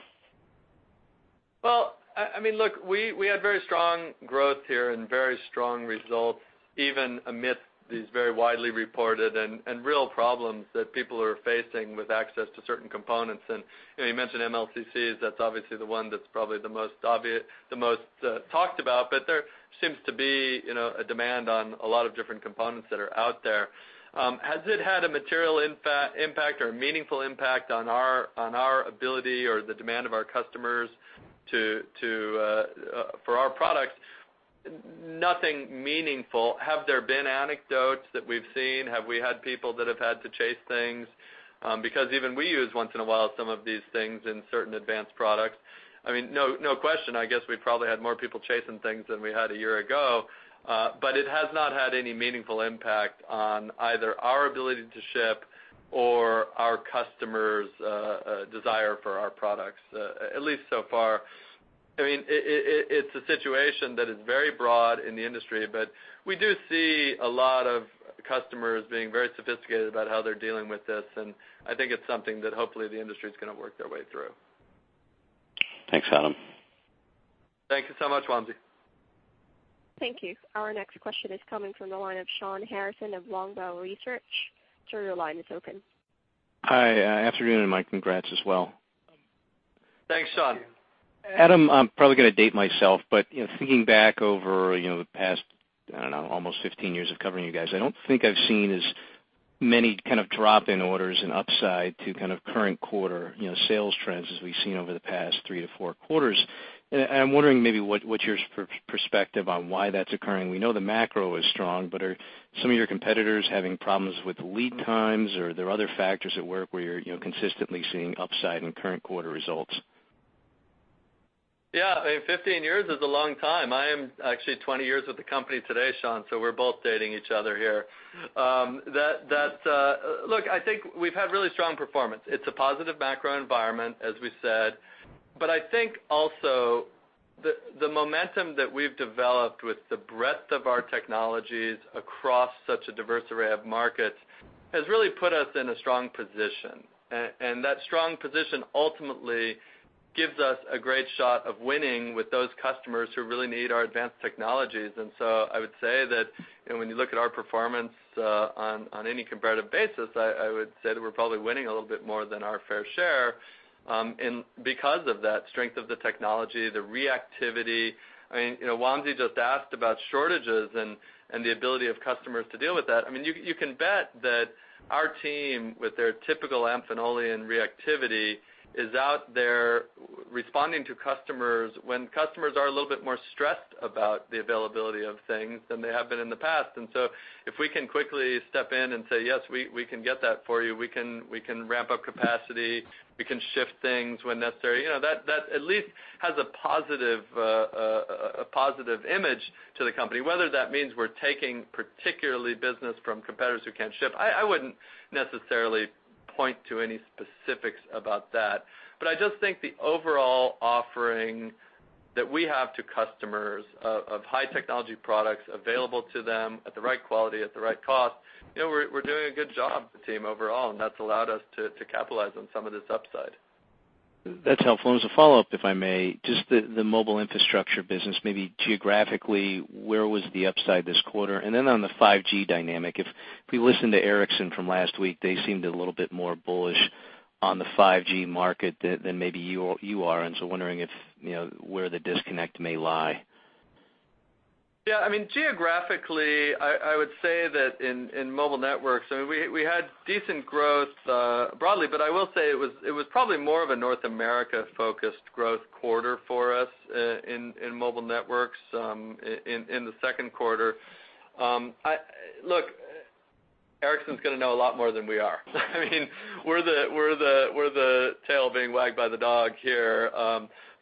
Well, I mean, look, we had very strong growth here and very strong results, even amidst these very widely reported and real problems that people are facing with access to certain components. And, you know, you mentioned MLCCs, that's obviously the one that's probably the most talked about, but there seems to be, you know, a demand on a lot of different components that are out there. Has it had a material impact or meaningful impact on our, on our ability or the demand of our customers to for our products? Nothing meaningful. Have there been anecdotes that we've seen? Have we had people that have had to chase things? Because even we use, once in a while, some of these things in certain advanced products. I mean, no, no question, I guess we've probably had more people chasing things than we had a year ago, but it has not had any meaningful impact on either our ability to ship or our customers' desire for our products, at least so far. I mean, it's a situation that is very broad in the industry. But we do see a lot of customers being very sophisticated about how they're dealing with this, and I think it's something that hopefully the industry is gonna work their way through. Thanks, Adam. Thank you so much, Wamsi. Thank you. Our next question is coming from the line of Shawn Harrison of Longbow Research. Sir, your line is open. Hi, afternoon, and my congrats as well. Thanks, Shawn. Adam, I'm probably gonna date myself, but, you know, thinking back over, you know, the past, I don't know, almost 15 years of covering you guys, I don't think I've seen as many kind of drop in orders and upside to kind of current quarter, you know, sales trends as we've seen over the past 3-4 quarters. I'm wondering maybe what's your perspective on why that's occurring? We know the macro is strong, but are some of your competitors having problems with lead times, or are there other factors at work where you're, you know, consistently seeing upside in current quarter results? Yeah, I mean, 15 years is a long time. I am actually 20 years with the company today, Shawn, so we're both dating each other here. Look, I think we've had really strong performance. It's a positive macro environment, as we said, but I think also the momentum that we've developed with the breadth of our technologies across such a diverse array of markets has really put us in a strong position. And that strong position ultimately gives us a great shot of winning with those customers who really need our advanced technologies. And so I would say that, you know, when you look at our performance, on any comparative basis, I would say that we're probably winning a little bit more than our fair share, and because of that strength of the technology, the reactivity. I mean, you know, Wamsi just asked about shortages and the ability of customers to deal with that. I mean, you can bet that our team, with their typical Amphenolian reactivity, is out there responding to customers when customers are a little bit more stressed about the availability of things than they have been in the past. And so if we can quickly step in and say, "Yes, we can get that for you. We can ramp up capacity, we can shift things when necessary," you know, that at least has a positive image to the company. Whether that means we're taking particularly business from competitors who can't ship, I wouldn't necessarily point to any specifics about that. But I just think the overall offering that we have to customers of high technology products available to them at the right quality, at the right cost, you know, we're doing a good job, the team overall, and that's allowed us to capitalize on some of this upside. That's helpful. And as a follow-up, if I may, just the mobile infrastructure business, maybe geographically, where was the upside this quarter? And then on the 5G dynamic, if we listen to Ericsson from last week, they seemed a little bit more bullish on the 5G market than maybe you are. And so wondering if, you know, where the disconnect may lie? Yeah, I mean, geographically, I would say that in mobile networks, I mean, we had decent growth broadly, but I will say it was probably more of a North America-focused growth quarter for us in mobile networks in the second quarter. Look, Ericsson's gonna know a lot more than we are. I mean, we're the tail being wagged by the dog here.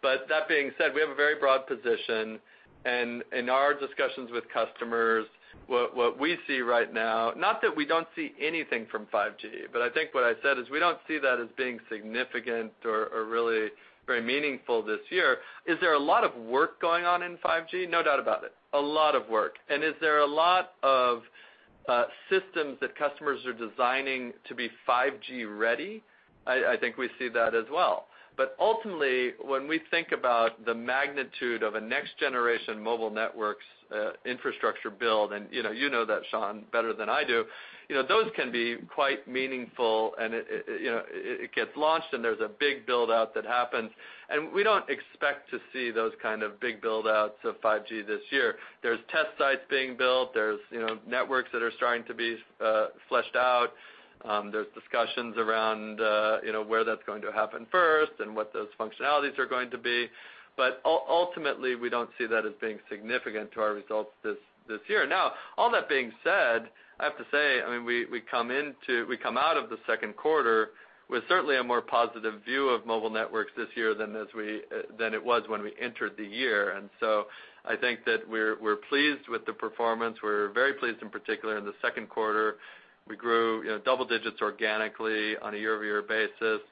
But that being said, we have a very broad position, and in our discussions with customers, what we see right now, not that we don't see anything from 5G, but I think what I said is we don't see that as being significant or really very meaningful this year. Is there a lot of work going on in 5G? No doubt about it, a lot of work. Is there a lot of systems that customers are designing to be 5G ready? I think we see that as well. But ultimately, when we think about the magnitude of a next-generation mobile networks infrastructure build, and, you know, you know that, Shawn, better than I do, you know, those can be quite meaningful, and it gets launched, and there's a big build-out that happens. And we don't expect to see those kind of big build-outs of 5G this year. There's test sites being built. There's, you know, networks that are starting to be fleshed out. There's discussions around, you know, where that's going to happen first and what those functionalities are going to be. But ultimately, we don't see that as being significant to our results this year. Now, all that being said, I have to say, I mean, we come out of the second quarter with certainly a more positive view of mobile networks this year than it was when we entered the year. And so I think that we're pleased with the performance. We're very pleased, in particular, in the second quarter. We grew, you know, double digits organically on a year-over-year basis,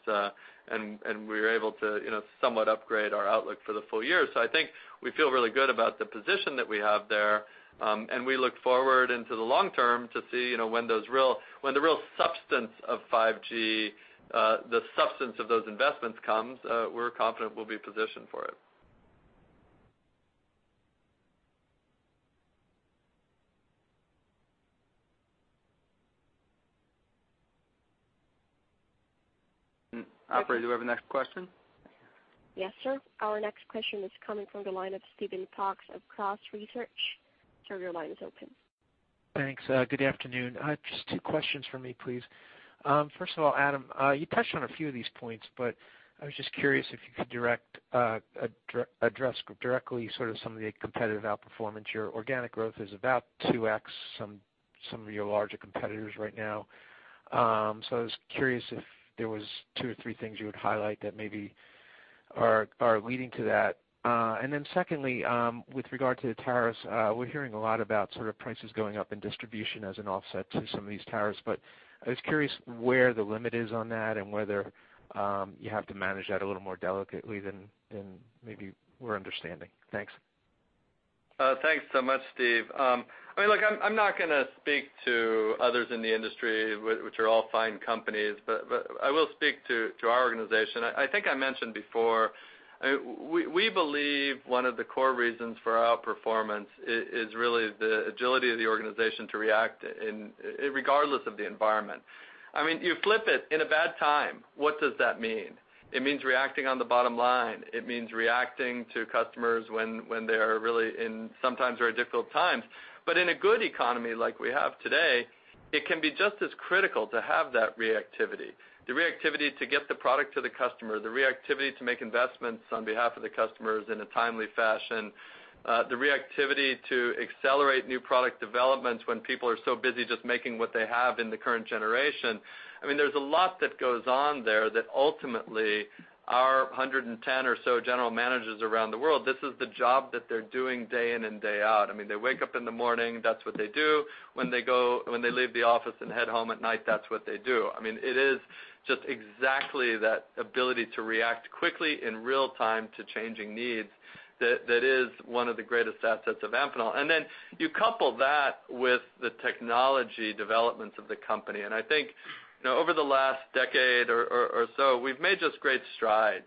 and we were able to, you know, somewhat upgrade our outlook for the full year. So I think we feel really good about the position that we have there, and we look forward into the long term to see, you know, when the real substance of 5G, the substance of those investments comes, we're confident we'll be positioned for it. Operator, do we have a next question? Yes, sir. Our next question is coming from the line of Steven Fox of Cross Research. Sir, your line is open. Thanks. Good afternoon. I have just two questions for me, please. First of all, Adam, you touched on a few of these points, but I was just curious if you could direct, address directly, sort of some of the competitive outperformance. Your organic growth is about 2X some of your larger competitors right now. So I was curious if there was two or three things you would highlight that maybe are leading to that. And then secondly, with regard to the tariffs, we're hearing a lot about sort of prices going up in distribution as an offset to some of these tariffs, but I was curious where the limit is on that and whether you have to manage that a little more delicately than maybe we're understanding. Thanks. ... Thanks so much, Steve. I mean, look, I'm not gonna speak to others in the industry, which are all fine companies, but I will speak to our organization. I think I mentioned before, we believe one of the core reasons for our performance is really the agility of the organization to react, irregardless of the environment. I mean, you flip it in a bad time, what does that mean? It means reacting on the bottom line. It means reacting to customers when they are really in sometimes very difficult times. But in a good economy like we have today, it can be just as critical to have that reactivity. The reactivity to get the product to the customer, the reactivity to make investments on behalf of the customers in a timely fashion, the reactivity to accelerate new product developments when people are so busy just making what they have in the current generation. I mean, there's a lot that goes on there that ultimately, our 110 or so general managers around the world, this is the job that they're doing day in and day out. I mean, they wake up in the morning, that's what they do. When they leave the office and head home at night, that's what they do. I mean, it is just exactly that ability to react quickly in real time to changing needs, that, that is one of the greatest assets of Amphenol. And then you couple that with the technology developments of the company, and I think, you know, over the last decade or so, we've made just great strides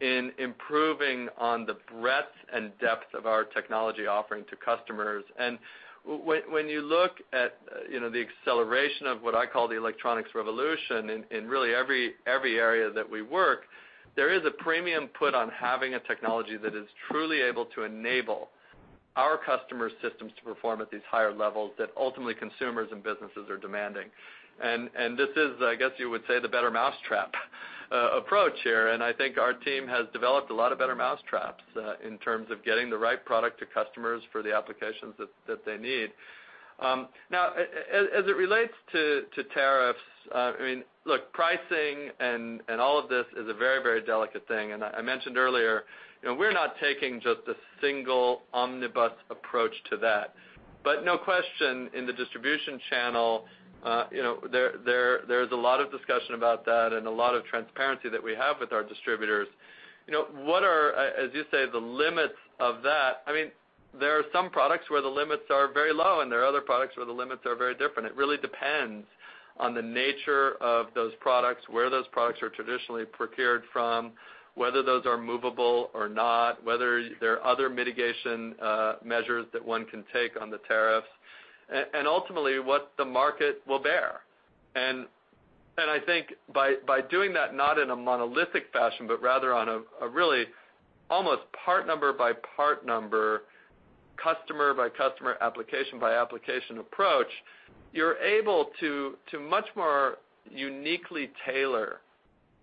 in improving on the breadth and depth of our technology offering to customers. And when you look at, you know, the acceleration of what I call the electronics revolution, in really every area that we work, there is a premium put on having a technology that is truly able to enable our customer systems to perform at these higher levels that ultimately consumers and businesses are demanding. And this is, I guess you would say, the better mousetrap approach here, and I think our team has developed a lot of better mousetraps in terms of getting the right product to customers for the applications that they need. Now, as it relates to tariffs, I mean, look, pricing and all of this is a very, very delicate thing. And I mentioned earlier, you know, we're not taking just a single omnibus approach to that. But no question, in the distribution channel, you know, there's a lot of discussion about that and a lot of transparency that we have with our distributors. You know, what are, as you say, the limits of that? I mean, there are some products where the limits are very low, and there are other products where the limits are very different. It really depends on the nature of those products, where those products are traditionally procured from, whether those are movable or not, whether there are other mitigation measures that one can take on the tariffs, and ultimately, what the market will bear. And I think by doing that, not in a monolithic fashion, but rather on a really almost part number by part number, customer by customer, application by application approach, you're able to much more uniquely tailor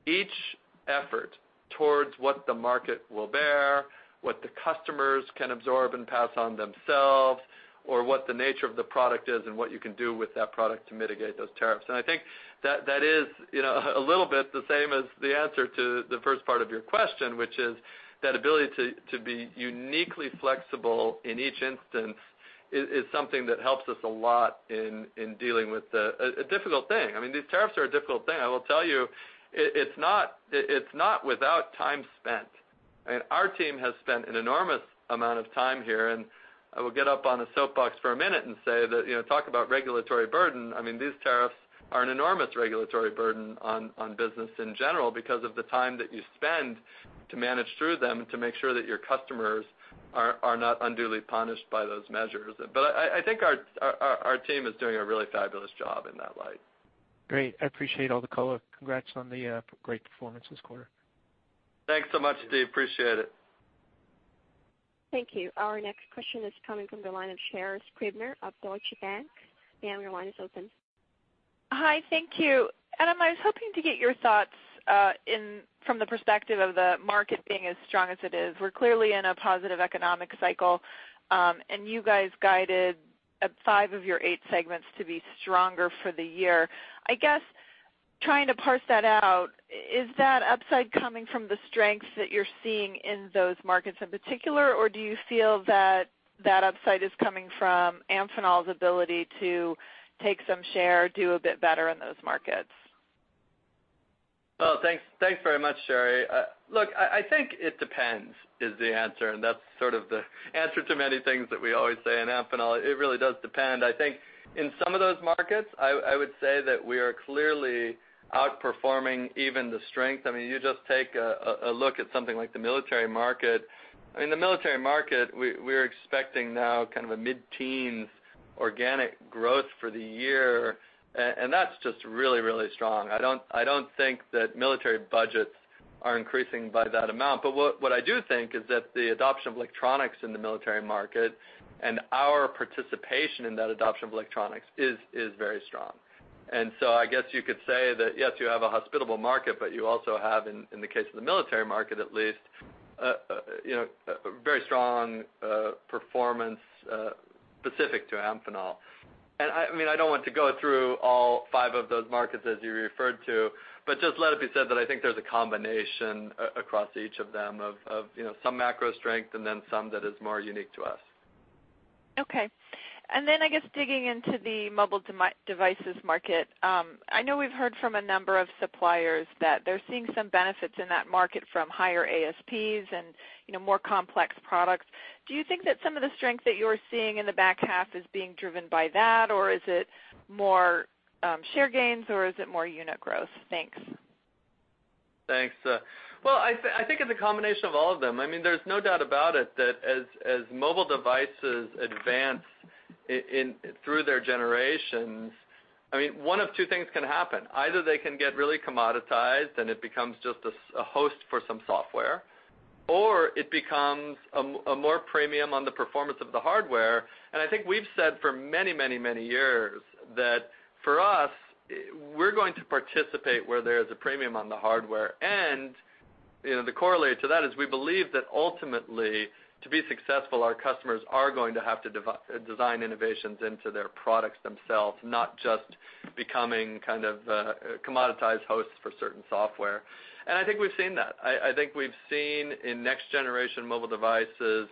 each effort towards what the market will bear, what the customers can absorb and pass on themselves, or what the nature of the product is and what you can do with that product to mitigate those tariffs. I think that, that is, you know, a little bit the same as the answer to the first part of your question, which is that ability to, to be uniquely flexible in each instance is, is something that helps us a lot in, in dealing with a, a difficult thing. I mean, these tariffs are a difficult thing. I will tell you, it, it's not, it's not without time spent, and our team has spent an enormous amount of time here, and I will get up on a soapbox for a minute and say that, you know, talk about regulatory burden. I mean, these tariffs are an enormous regulatory burden on, on business in general because of the time that you spend to manage through them and to make sure that your customers are, are not unduly punished by those measures. I think our team is doing a really fabulous job in that light. Great. I appreciate all the color. Congrats on the great performance this quarter. Thanks so much, Steve. Appreciate it. Thank you. Our next question is coming from the line of Sherri Scribner of Deutsche Bank. Ma'am, your line is open. Hi, thank you. Adam, I was hoping to get your thoughts from the perspective of the market being as strong as it is. We're clearly in a positive economic cycle, and you guys guided five of your eight segments to be stronger for the year. I guess, trying to parse that out, is that upside coming from the strengths that you're seeing in those markets in particular, or do you feel that that upside is coming from Amphenol's ability to take some share, do a bit better in those markets? Well, thanks. Thanks very much, Sherri. Look, I think it depends, is the answer, and that's sort of the answer to many things that we always say in Amphenol. It really does depend. I think in some of those markets, I would say that we are clearly outperforming even the strength. I mean, you just take a look at something like the military market. I mean, the military market, we're expecting now kind of a mid-teen organic growth for the year, and that's just really, really strong. I don't think that military budgets are increasing by that amount. But what I do think is that the adoption of electronics in the military market and our participation in that adoption of electronics is very strong. And so I guess you could say that, yes, you have a hospitable market, but you also have in, in the case of the military market, at least, you know, a very strong performance specific to Amphenol. And I mean, I don't want to go through all five of those markets as you referred to, but just let it be said that I think there's a combination across each of them of you know, some macro strength and then some that is more unique to us.... Okay. And then, I guess, digging into the mobile devices market, I know we've heard from a number of suppliers that they're seeing some benefits in that market from higher ASPs and, you know, more complex products. Do you think that some of the strength that you are seeing in the back half is being driven by that, or is it more, share gains, or is it more unit growth? Thanks. Thanks. Well, I think it's a combination of all of them. I mean, there's no doubt about it that as mobile devices advance through their generations, I mean, one of two things can happen: either they can get really commoditized, and it becomes just a host for some software, or it becomes a more premium on the performance of the hardware. And I think we've said for many, many, many years that, for us, we're going to participate where there is a premium on the hardware. And, you know, the correlate to that is we believe that ultimately, to be successful, our customers are going to have to design innovations into their products themselves, not just becoming kind of, commoditized hosts for certain software. And I think we've seen that. I think we've seen in next generation mobile devices,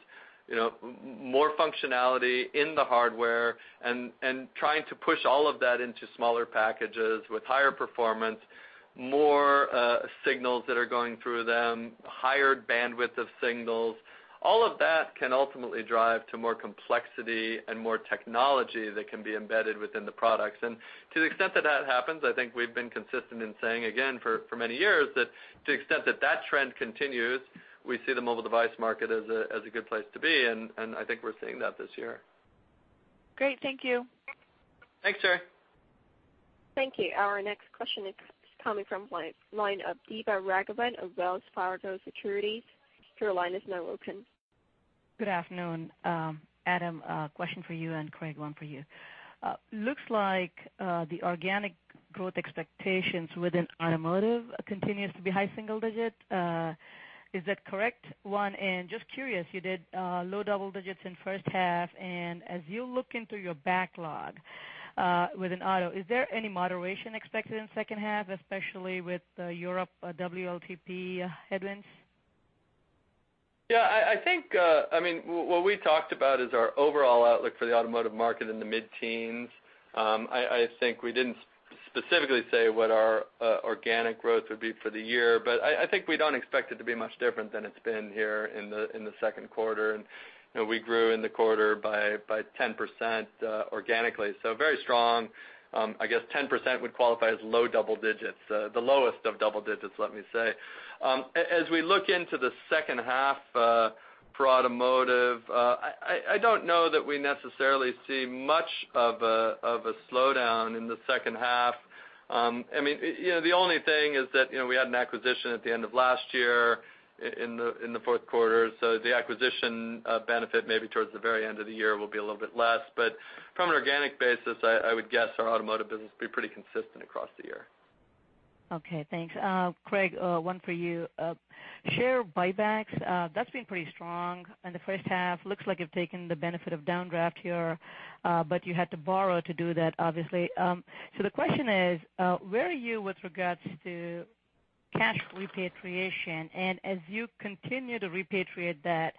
you know, more functionality in the hardware and trying to push all of that into smaller packages with higher performance, more signals that are going through them, higher bandwidth of signals. All of that can ultimately drive to more complexity and more technology that can be embedded within the products. And to the extent that that happens, I think we've been consistent in saying, again, for many years, that to the extent that that trend continues, we see the mobile device market as a good place to be, and I think we're seeing that this year. Great. Thank you. Thanks, Sherri. Thank you. Our next question is coming from the line of Deepa Raghavan of Wells Fargo Securities. Your line is now open. Good afternoon. Adam, a question for you, and Craig, one for you. Looks like the organic growth expectations within automotive continues to be high single digit. Is that correct, one? And just curious, you did low double digits in first half, and as you look into your backlog within auto, is there any moderation expected in second half, especially with the Europe WLTP headwinds? Yeah, I think, I mean, what we talked about is our overall outlook for the automotive market in the mid-teens. I think we didn't specifically say what our organic growth would be for the year, but I think we don't expect it to be much different than it's been here in the second quarter. And, you know, we grew in the quarter by 10% organically, so very strong. I guess 10% would qualify as low double digits, the lowest of double digits, let me say. As we look into the second half for automotive, I don't know that we necessarily see much of a slowdown in the second half. I mean, you know, the only thing is that, you know, we had an acquisition at the end of last year in the fourth quarter, so the acquisition benefit maybe towards the very end of the year will be a little bit less. But from an organic basis, I would guess our automotive business will be pretty consistent across the year. Okay, thanks. Craig, one for you. Share buybacks, that's been pretty strong in the first half. Looks like you've taken the benefit of downdraft here, but you had to borrow to do that, obviously. So the question is, where are you with regards to cash repatriation? And as you continue to repatriate that,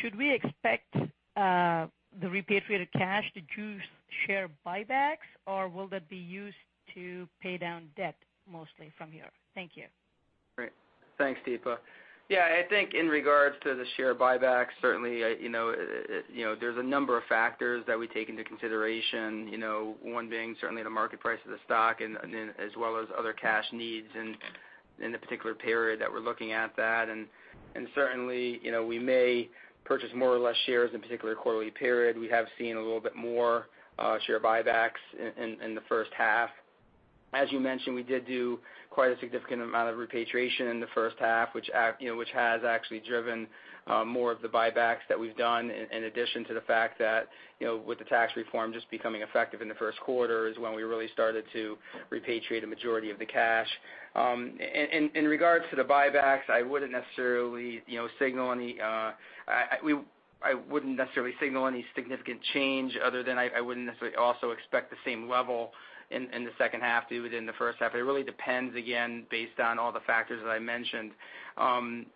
should we expect the repatriated cash to juice share buybacks, or will that be used to pay down debt mostly from here? Thank you. Great. Thanks, Deepa. Yeah, I think in regards to the share buyback, certainly, you know, you know, there's a number of factors that we take into consideration, you know, one being certainly the market price of the stock and then as well as other cash needs in the particular period that we're looking at that. Certainly, you know, we may purchase more or less shares in a particular quarterly period. We have seen a little bit more share buybacks in the first half. As you mentioned, we did do quite a significant amount of repatriation in the first half, which you know, which has actually driven more of the buybacks that we've done, in addition to the fact that, you know, with the tax reform just becoming effective in the first quarter is when we really started to repatriate a majority of the cash. In regards to the buybacks, I wouldn't necessarily, you know, signal any significant change other than I wouldn't necessarily also expect the same level in the second half to be within the first half. It really depends, again, based on all the factors that I mentioned.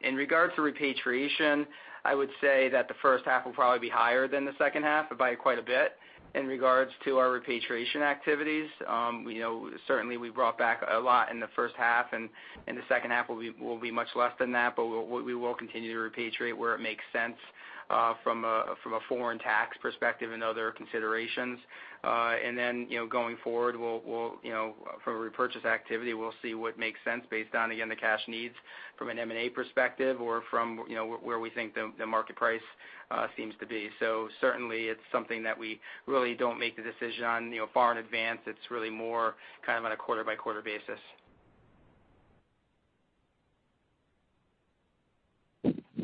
In regards to repatriation, I would say that the first half will probably be higher than the second half, by quite a bit, in regards to our repatriation activities. We know certainly we brought back a lot in the first half, and in the second half will be, will be much less than that, but we will continue to repatriate where it makes sense, from a foreign tax perspective and other considerations. And then, you know, going forward, we'll, we'll, you know, from a repurchase activity, we'll see what makes sense based on, again, the cash needs from an M&A perspective or from, you know, where we think the, the market price, seems to be. So certainly, it's something that we really don't make the decision on, you know, far in advance. It's really more kind of on a quarter-by-quarter basis.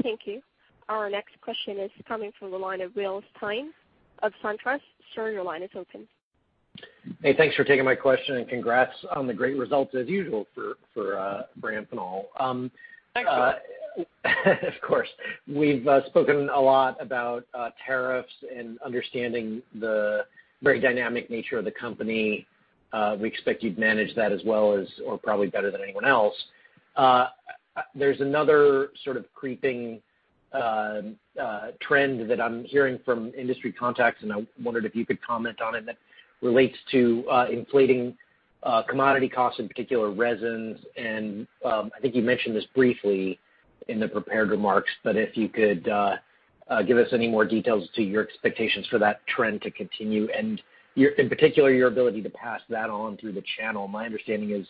Thank you. Our next question is coming from the line of William Stein of SunTrust. Sir, your line is open. Hey, thanks for taking my question, and congrats on the great results as usual for Amphenol. Thanks, Wills. Of course. We've spoken a lot about tariffs and understanding the very dynamic nature of the company. We expect you'd manage that as well as or probably better than anyone else.... There's another sort of creeping trend that I'm hearing from industry contacts, and I wondered if you could comment on it, that relates to inflating commodity costs, in particular, resins. And I think you mentioned this briefly in the prepared remarks, but if you could give us any more details as to your expectations for that trend to continue and, in particular, your ability to pass that on through the channel. My understanding is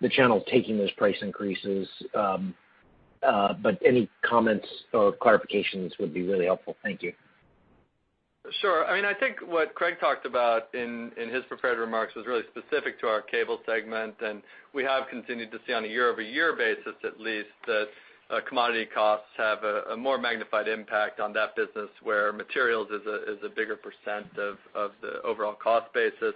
the channel's taking those price increases, but any comments or clarifications would be really helpful. Thank you. Sure. I mean, I think what Craig talked about in his prepared remarks was really specific to our cable segment, and we have continued to see on a year-over-year basis, at least, that commodity costs have a more magnified impact on that business where materials is a bigger percent of the overall cost basis.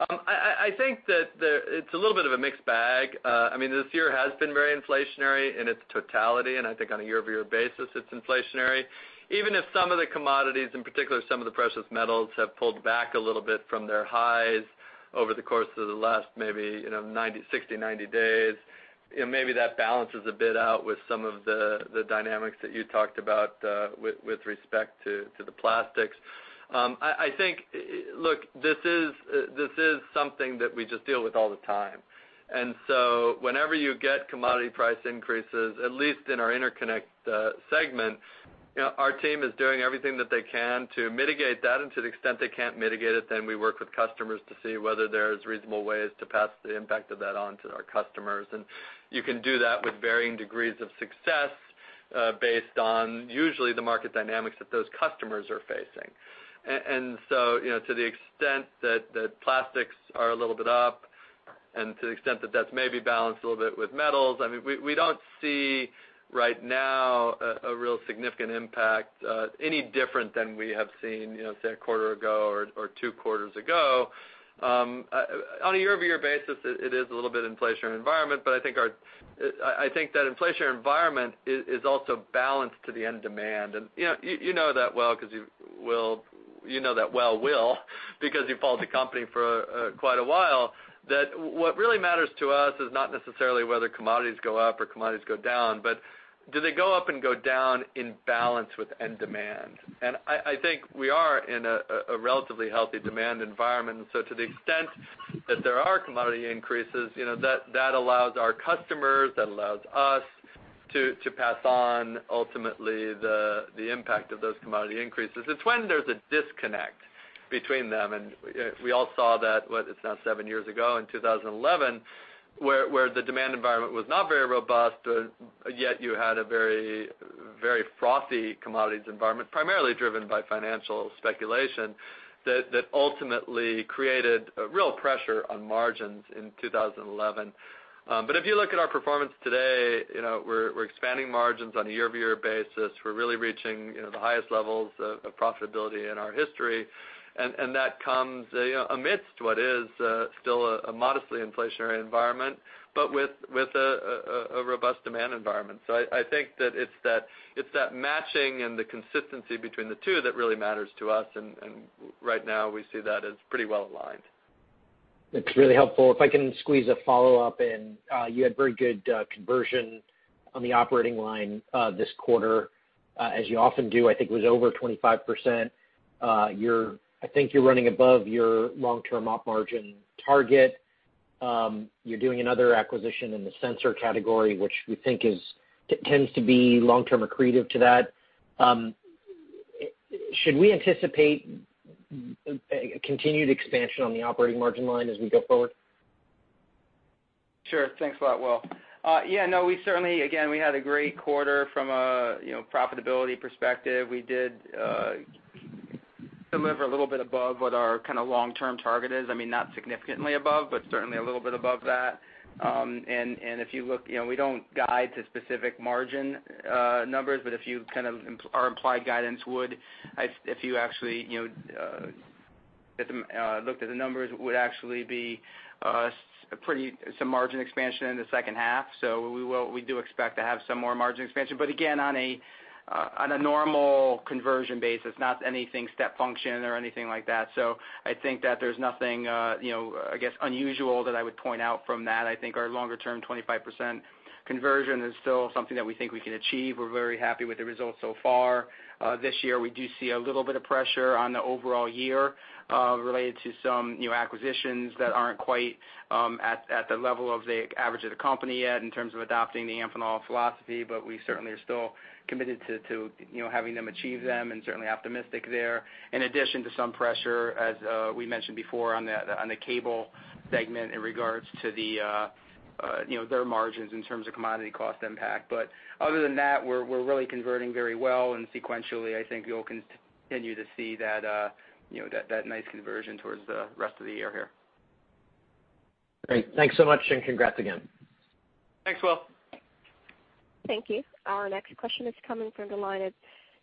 I think that it's a little bit of a mixed bag. I mean, this year has been very inflationary in its totality, and I think on a year-over-year basis, it's inflationary. Even if some of the commodities, in particular, some of the precious metals, have pulled back a little bit from their highs over the course of the last maybe, you know, 90-60-90 days, you know, maybe that balances a bit out with some of the, the dynamics that you talked about, with respect to the plastics. I think, look, this is, this is something that we just deal with all the time. And so whenever you get commodity price increases, at least in our interconnect segment, you know, our team is doing everything that they can to mitigate that. And to the extent they can't mitigate it, then we work with customers to see whether there's reasonable ways to pass the impact of that on to our customers. You can do that with varying degrees of success, based on usually the market dynamics that those customers are facing. And so, you know, to the extent that plastics are a little bit up, and to the extent that that's maybe balanced a little bit with metals, I mean, we don't see right now a real significant impact, any different than we have seen, you know, say, a quarter ago or two quarters ago. On a year-over-year basis, it is a little bit inflationary environment, but I think that inflationary environment is also balanced to the end demand. You know, you know that well 'cause you, Will, know that well, because you've followed the company for quite a while, that what really matters to us is not necessarily whether commodities go up or commodities go down, but do they go up and go down in balance with end demand? I think we are in a relatively healthy demand environment. So to the extent that there are commodity increases, you know, that allows our customers, that allows us to pass on ultimately the impact of those commodity increases. It's when there's a disconnect between them, and, we all saw that, what, it's now seven years ago in 2011, where the demand environment was not very robust, yet you had a very, very frothy commodities environment, primarily driven by financial speculation, that ultimately created a real pressure on margins in 2011. But if you look at our performance today, you know, we're expanding margins on a year-over-year basis. We're really reaching, you know, the highest levels of profitability in our history. And that comes, you know, amidst what is still a modestly inflationary environment, but with a robust demand environment. So I think that it's that matching and the consistency between the two that really matters to us, and right now, we see that as pretty well aligned. That's really helpful. If I can squeeze a follow-up in, you had very good conversion on the operating line this quarter, as you often do. I think it was over 25%. I think you're running above your long-term op margin target. Should we anticipate a continued expansion on the operating margin line as we go forward? Sure. Thanks a lot, Will. Yeah, no, we certainly, again, we had a great quarter from a, you know, profitability perspective. We did deliver a little bit above what our kind of long-term target is. I mean, not significantly above, but certainly a little bit above that. And if you look, you know, we don't guide to specific margin numbers, but if you kind of, our implied guidance would, if you actually, you know, looked at the numbers, would actually be some margin expansion in the second half. So we do expect to have some more margin expansion, but again, on a normal conversion basis, not anything step function or anything like that. So I think that there's nothing, you know, I guess, unusual that I would point out from that. I think our longer term 25% conversion is still something that we think we can achieve. We're very happy with the results so far. This year, we do see a little bit of pressure on the overall year, related to some new acquisitions that aren't quite at the level of the average of the company yet in terms of adopting the Amphenol philosophy, but we certainly are still committed to, you know, having them achieve them and certainly optimistic there. In addition to some pressure, as we mentioned before on the cable segment in regards to the, you know, their margins in terms of commodity cost impact. But other than that, we're really converting very well, and sequentially, I think you'll continue to see that, you know, that nice conversion towards the rest of the year here. Great. Thanks so much, and congrats again. Thanks, Will. Thank you. Our next question is coming from the line of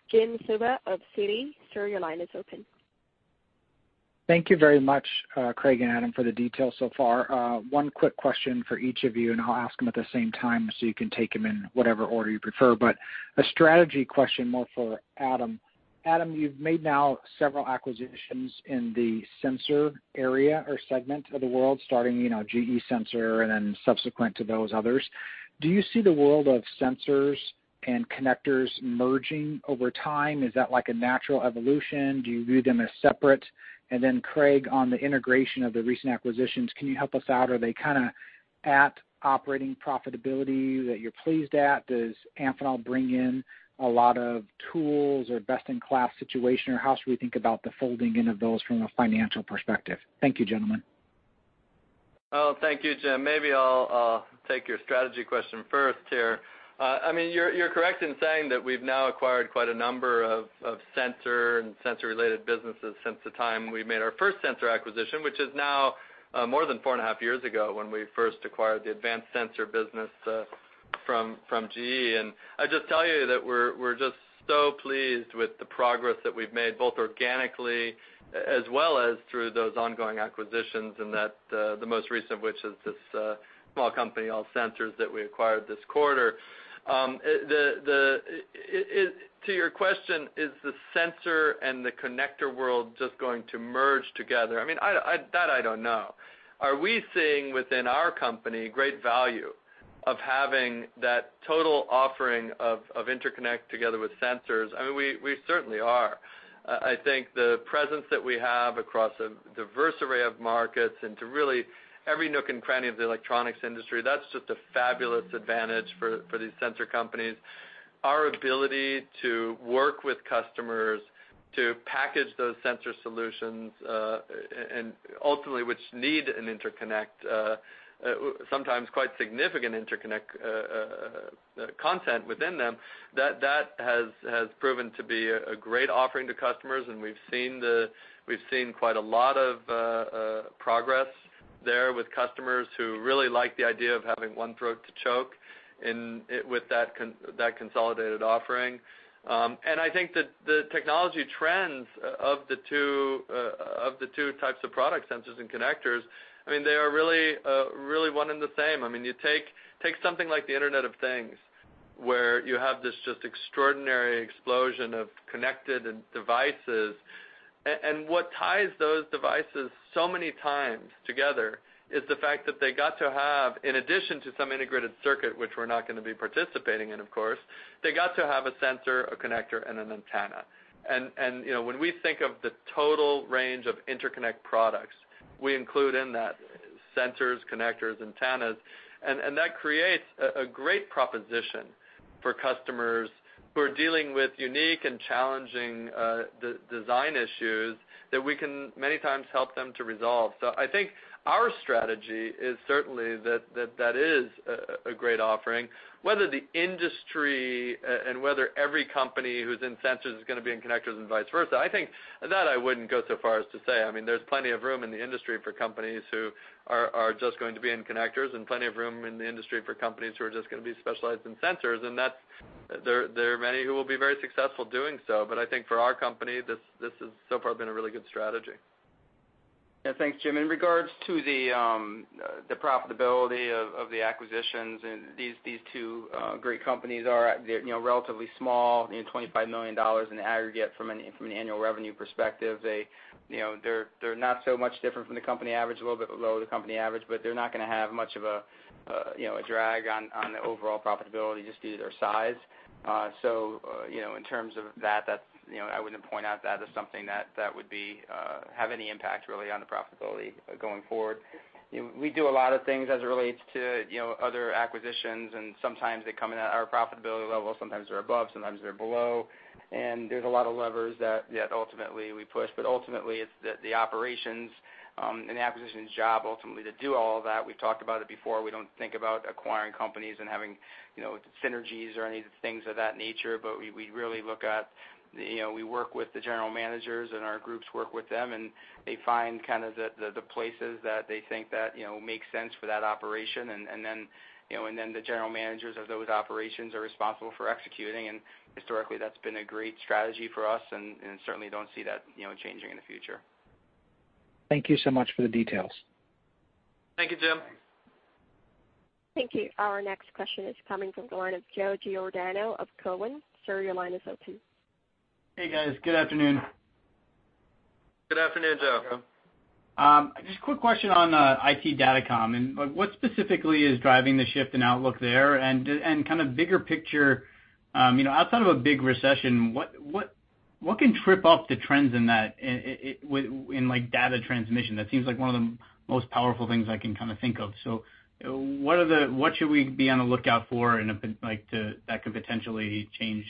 Jim Suva of Citi. Sir, your line is open. Thank you very much, Craig and Adam, for the details so far. One quick question for each of you, and I'll ask them at the same time, so you can take them in whatever order you prefer. But a strategy question more for Adam. Adam, you've made now several acquisitions in the sensor area or segment of the world, starting, you know, GE Sensor and then subsequent to those others.... Do you see the world of sensors and connectors merging over time? Is that like a natural evolution? Do you view them as separate? And then, Craig, on the integration of the recent acquisitions, can you help us out? Are they kind of at operating profitability that you're pleased at? Does Amphenol bring in a lot of tools or best-in-class situation, or how should we think about the folding in of those from a financial perspective? Thank you, gentlemen. Well, thank you, Jim. Maybe I'll take your strategy question first here. I mean, you're correct in saying that we've now acquired quite a number of sensor and sensor-related businesses since the time we made our first sensor acquisition, which is now more than 4.5 years ago, when we first acquired the advanced sensor business from GE. And I'd just tell you that we're just so pleased with the progress that we've made, both organically, as well as through those ongoing acquisitions, and that the most recent which is this small company, All Sensors, that we acquired this quarter. It, to your question, is the sensor and the connector world just going to merge together? I mean, that I don't know. Are we seeing within our company great value of having that total offering of interconnect together with sensors? I mean, we certainly are. I think the presence that we have across a diverse array of markets and to really every nook and cranny of the electronics industry, that's just a fabulous advantage for these sensor companies. Our ability to work with customers, to package those sensor solutions, and ultimately, which need an interconnect, sometimes quite significant interconnect content within them, that has proven to be a great offering to customers, and we've seen quite a lot of progress there with customers who really like the idea of having one throat to choke, with that consolidated offering. I think that the technology trends of the two types of product sensors and connectors, I mean, they are really, really one and the same. I mean, you take something like the Internet of Things, where you have this just extraordinary explosion of connected devices. And what ties those devices so many times together is the fact that they got to have, in addition to some integrated circuit, which we're not gonna be participating in, of course, they got to have a sensor, a connector, and an antenna. And, you know, when we think of the total range of interconnect products, we include in that sensors, connectors, antennas, and that creates a great proposition for customers who are dealing with unique and challenging design issues that we can many times help them to resolve. So I think our strategy is certainly that that is a great offering. Whether the industry, and whether every company who's in sensors is gonna be in connectors and vice versa, I think that I wouldn't go so far as to say. I mean, there's plenty of room in the industry for companies who are just going to be in connectors, and plenty of room in the industry for companies who are just gonna be specialized in sensors, and that's, there are many who will be very successful doing so. But I think for our company, this has so far been a really good strategy. Yeah. Thanks, Jim. In regards to the profitability of the acquisitions, and these two great companies are at, you know, relatively small, you know, $25 million in aggregate from an annual revenue perspective. They, you know, they're not so much different from the company average, a little bit below the company average, but they're not gonna have much of a, you know, a drag on the overall profitability just due to their size. So, you know, in terms of that, that's, you know, I wouldn't point out that as something that would have any impact really on the profitability going forward. You know, we do a lot of things as it relates to, you know, other acquisitions, and sometimes they come in at our profitability level, sometimes they're above, sometimes they're below. And there's a lot of levers that ultimately we push, but ultimately, it's the operations and acquisitions job ultimately to do all of that. We've talked about it before. We don't think about acquiring companies and having, you know, synergies or any things of that nature, but we really look at, you know, we work with the general managers and our groups work with them, and they find kind of the places that they think that, you know, make sense for that operation. And then, you know, the general managers of those operations are responsible for executing, and historically, that's been a great strategy for us, and certainly don't see that, you know, changing in the future. Thank you so much for the details. Thank you, Jim. Thank you. Our next question is coming from the line of Joe Giordano of Cowen. Sir, your line is open. Hey, guys. Good afternoon. Good afternoon, Joe. Good afternoon. Just a quick question on IT Datacom, and what specifically is driving the shift in outlook there? And kind of bigger picture, you know, outside of a big recession, what can trip up the trends in that, in like data transmission? That seems like one of the most powerful things I can kind of think of. So what should we be on the lookout for, like, that could potentially change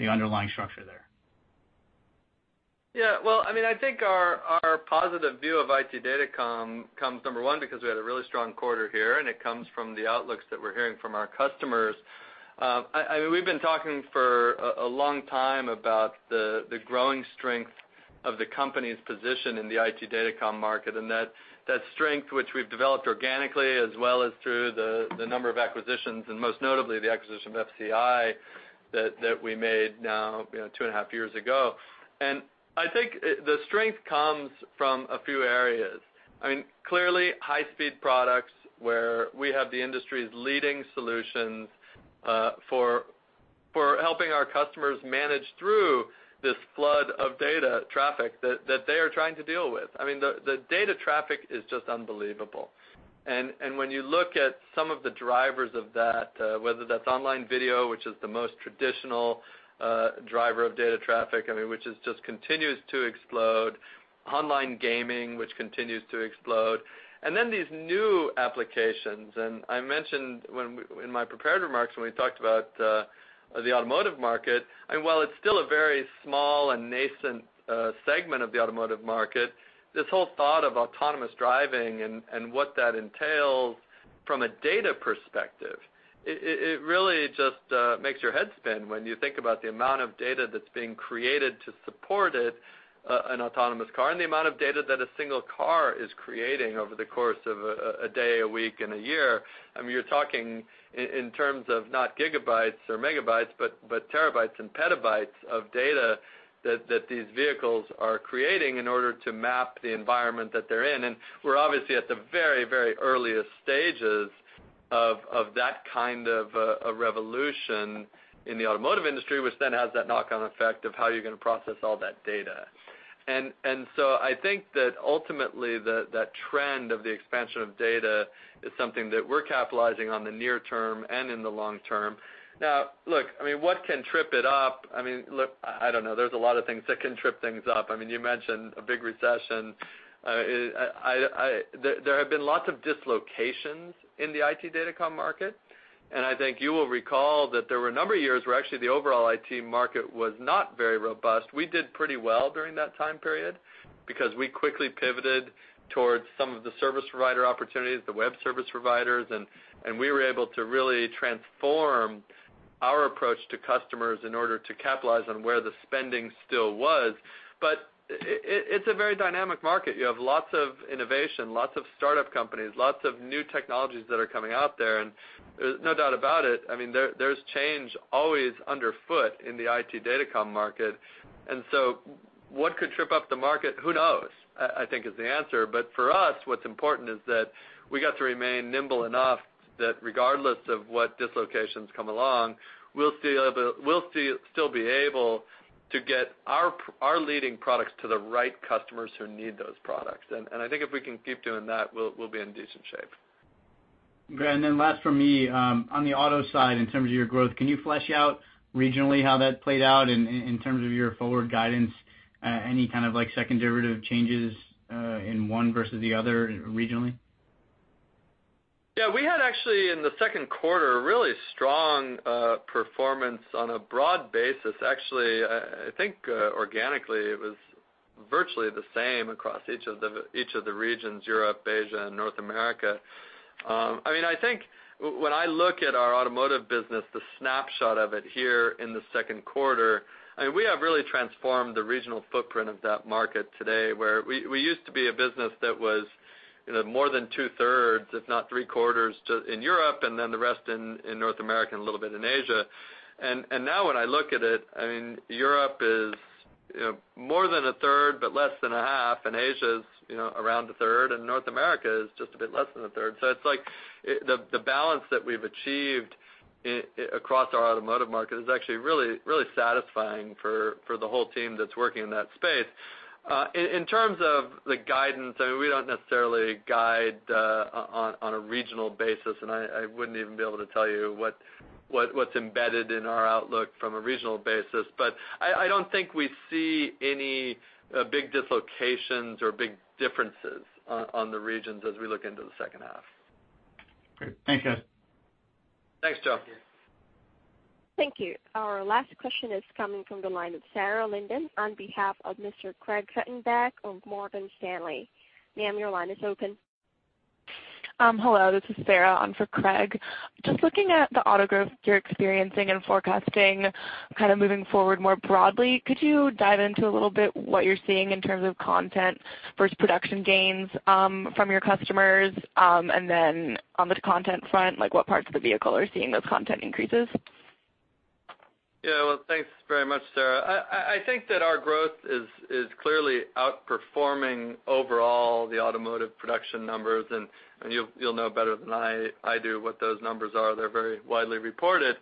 the underlying structure there? Yeah, well, I mean, I think our positive view of IT datacom comes, number one, because we had a really strong quarter here, and it comes from the outlooks that we're hearing from our customers. We've been talking for a long time about the growing strength of the company's position in the IT datacom market, and that strength which we've developed organically as well as through the number of acquisitions, and most notably, the acquisition of FCI that we made now, you know, two and a half years ago. I think the strength comes from a few areas. I mean, clearly, high-speed products where we have the industry's leading solutions, helping our customers manage through this flood of data traffic that they are trying to deal with. I mean, the data traffic is just unbelievable. When you look at some of the drivers of that, whether that's online video, which is the most traditional driver of data traffic, I mean, which is just continues to explode, online gaming, which continues to explode, and then these new applications. And I mentioned in my prepared remarks, when we talked about the automotive market, and while it's still a very small and nascent segment of the automotive market, this whole thought of autonomous driving and what that entails from a data perspective, it really just makes your head spin when you think about the amount of data that's being created to support it, an autonomous car, and the amount of data that a single car is creating over the course of a day, a week, and a year. I mean, you're talking in terms of not gigabytes or megabytes, but terabytes and petabytes of data that these vehicles are creating in order to map the environment that they're in. And we're obviously at the very, very earliest stages of that kind of a revolution in the automotive industry, which then has that knock-on effect of how you're gonna process all that data. And so I think that ultimately, that trend of the expansion of data is something that we're capitalizing on the near term and in the long term. Now, look, I mean, what can trip it up? I mean, look, I don't know. There's a lot of things that can trip things up. I mean, you mentioned a big recession. I... There have been lots of dislocations in the IT datacom market, and I think you will recall that there were a number of years where actually the overall IT market was not very robust. We did pretty well during that time period because we quickly pivoted towards some of the service provider opportunities, the web service providers, and we were able to really transform our approach to customers in order to capitalize on where the spending still was. But it's a very dynamic market. You have lots of innovation, lots of startup companies, lots of new technologies that are coming out there, and there's no doubt about it, I mean, there's change always underfoot in the IT datacom market. And so what could trip up the market? Who knows, I think is the answer. But for us, what's important is that we got to remain nimble enough that regardless of what dislocations come along, we'll still be able to get our leading products to the right customers who need those products. And I think if we can keep doing that, we'll be in decent shape. Great. And then last for me, on the auto side, in terms of your growth, can you flesh out regionally how that played out in terms of your forward guidance, any kind of like second derivative changes, in one versus the other regionally? Yeah, we had actually, in the second quarter, a really strong performance on a broad basis. Actually, I think organically, it was virtually the same across each of the, each of the regions, Europe, Asia, and North America. I mean, I think when I look at our automotive business, the snapshot of it here in the second quarter, I mean, we have really transformed the regional footprint of that market today, where we, we used to be a business that was, you know, more than two-thirds, if not three-quarters, to in Europe, and then the rest in, in North America and a little bit in Asia. Now when I look at it, I mean, Europe is, you know, more than a third, but less than a half, and Asia is, you know, around a third, and North America is just a bit less than a third. So it's like, the balance that we've achieved across our automotive market is actually really, really satisfying for the whole team that's working in that space. In terms of the guidance, I mean, we don't necessarily guide on a regional basis, and I wouldn't even be able to tell you what's embedded in our outlook from a regional basis. But I don't think we see any big dislocations or big differences on the regions as we look into the second half. Great. Thank you. Thanks, Joe. Thank you. Our last question is coming from the line of Sarah Linden on behalf of Mr. Craig Hettenbach of Morgan Stanley. Ma'am, your line is open. Hello, this is Sarah. I'm for Craig. Just looking at the auto growth you're experiencing and forecasting, kind of moving forward more broadly, could you dive into a little bit what you're seeing in terms of content versus production gains from your customers? And then on the content front, like what parts of the vehicle are seeing those content increases? Yeah. Well, thanks very much, Sarah. I think that our growth is clearly outperforming overall the automotive production numbers, and you'll know better than I do what those numbers are. They're very widely reported.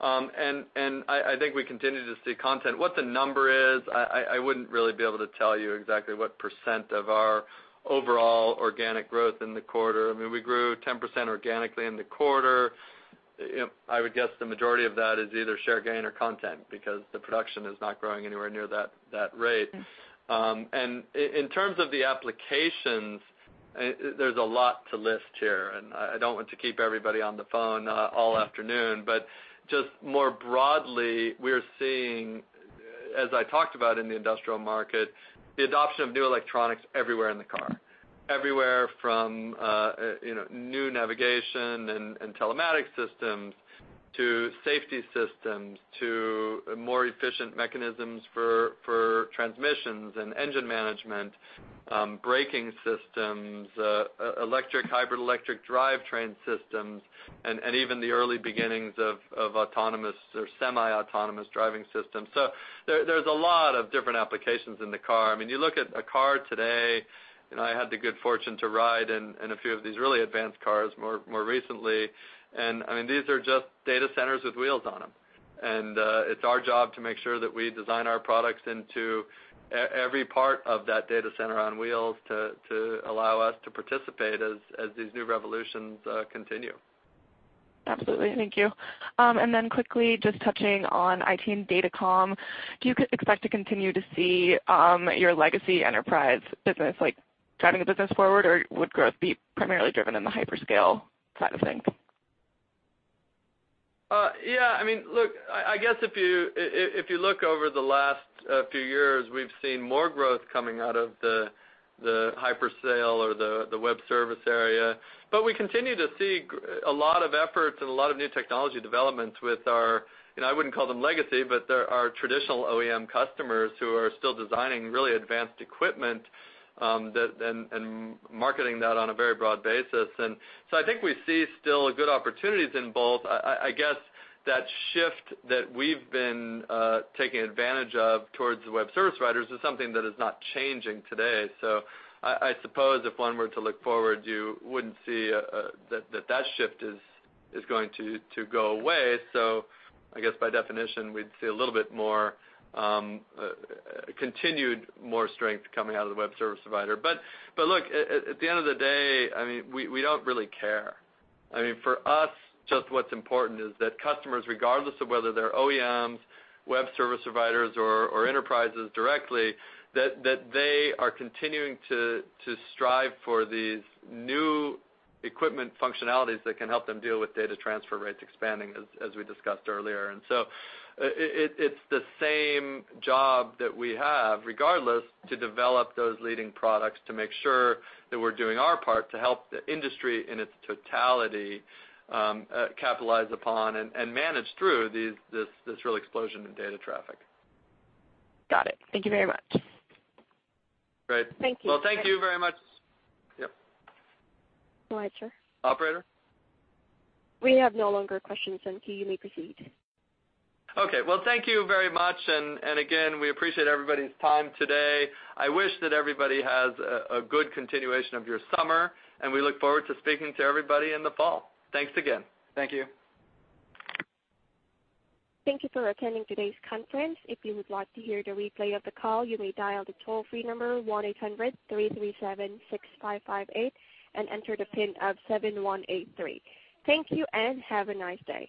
And I think we continue to see content. What the number is, I wouldn't really be able to tell you exactly what percent of our overall organic growth in the quarter. I mean, we grew 10% organically in the quarter. You know, I would guess the majority of that is either share gain or content because the production is not growing anywhere near that rate. Mm-hmm. And in terms of the applications, there's a lot to list here, and I, I don't want to keep everybody on the phone all afternoon. But just more broadly, we're seeing, as I talked about in the industrial market, the adoption of new electronics everywhere in the car. Mm-hmm. Everywhere from, you know, new navigation and telematics systems to safety systems, to more efficient mechanisms for transmissions and engine management, braking systems, electric-hybrid electric drivetrain systems, and even the early beginnings of autonomous or semi-autonomous driving systems. So there's a lot of different applications in the car. I mean, you look at a car today, and I had the good fortune to ride in a few of these really advanced cars more recently, and I mean, these are just data centers with wheels on them. And, it's our job to make sure that we design our products into every part of that data center on wheels to allow us to participate as these new revolutions continue. Absolutely. Thank you. And then quickly, just touching on IT datacom, do you expect to continue to see, your legacy enterprise business, like, driving the business forward, or would growth be primarily driven in the hyperscale side of things? Yeah, I mean, look, I guess if you if you look over the last few years, we've seen more growth coming out of the hyperscale or the web service area. But we continue to see a lot of efforts and a lot of new technology developments with our, and I wouldn't call them legacy, but they're our traditional OEM customers who are still designing really advanced equipment, that and marketing that on a very broad basis. And so I think we see still a good opportunities in both. I guess that shift that we've been taking advantage of towards the web service providers is something that is not changing today. So I suppose if one were to look forward, you wouldn't see that shift is going to go away. So I guess by definition, we'd see a little bit more continued more strength coming out of the web service provider. But look, at the end of the day, I mean, we don't really care. I mean, for us, just what's important is that customers, regardless of whether they're OEMs, web service providers, or enterprises directly, that they are continuing to strive for these new equipment functionalities that can help them deal with data transfer rates expanding, as we discussed earlier. And so it's the same job that we have, regardless, to develop those leading products, to make sure that we're doing our part to help the industry in its totality, capitalize upon and manage through this real explosion in data traffic. Got it. Thank you very much. Great. Thank you. Well, thank you very much. Yep. Go ahead, sir. Operator? We have no more questions, and you may proceed. Okay. Well, thank you very much. And again, we appreciate everybody's time today. I wish that everybody has a good continuation of your summer, and we look forward to speaking to everybody in the fall. Thanks again. Thank you. Thank you for attending today's conference. If you would like to hear the replay of the call, you may dial the toll-free number 1-800-337-6558, and enter the PIN of 7183. Thank you, and have a nice day.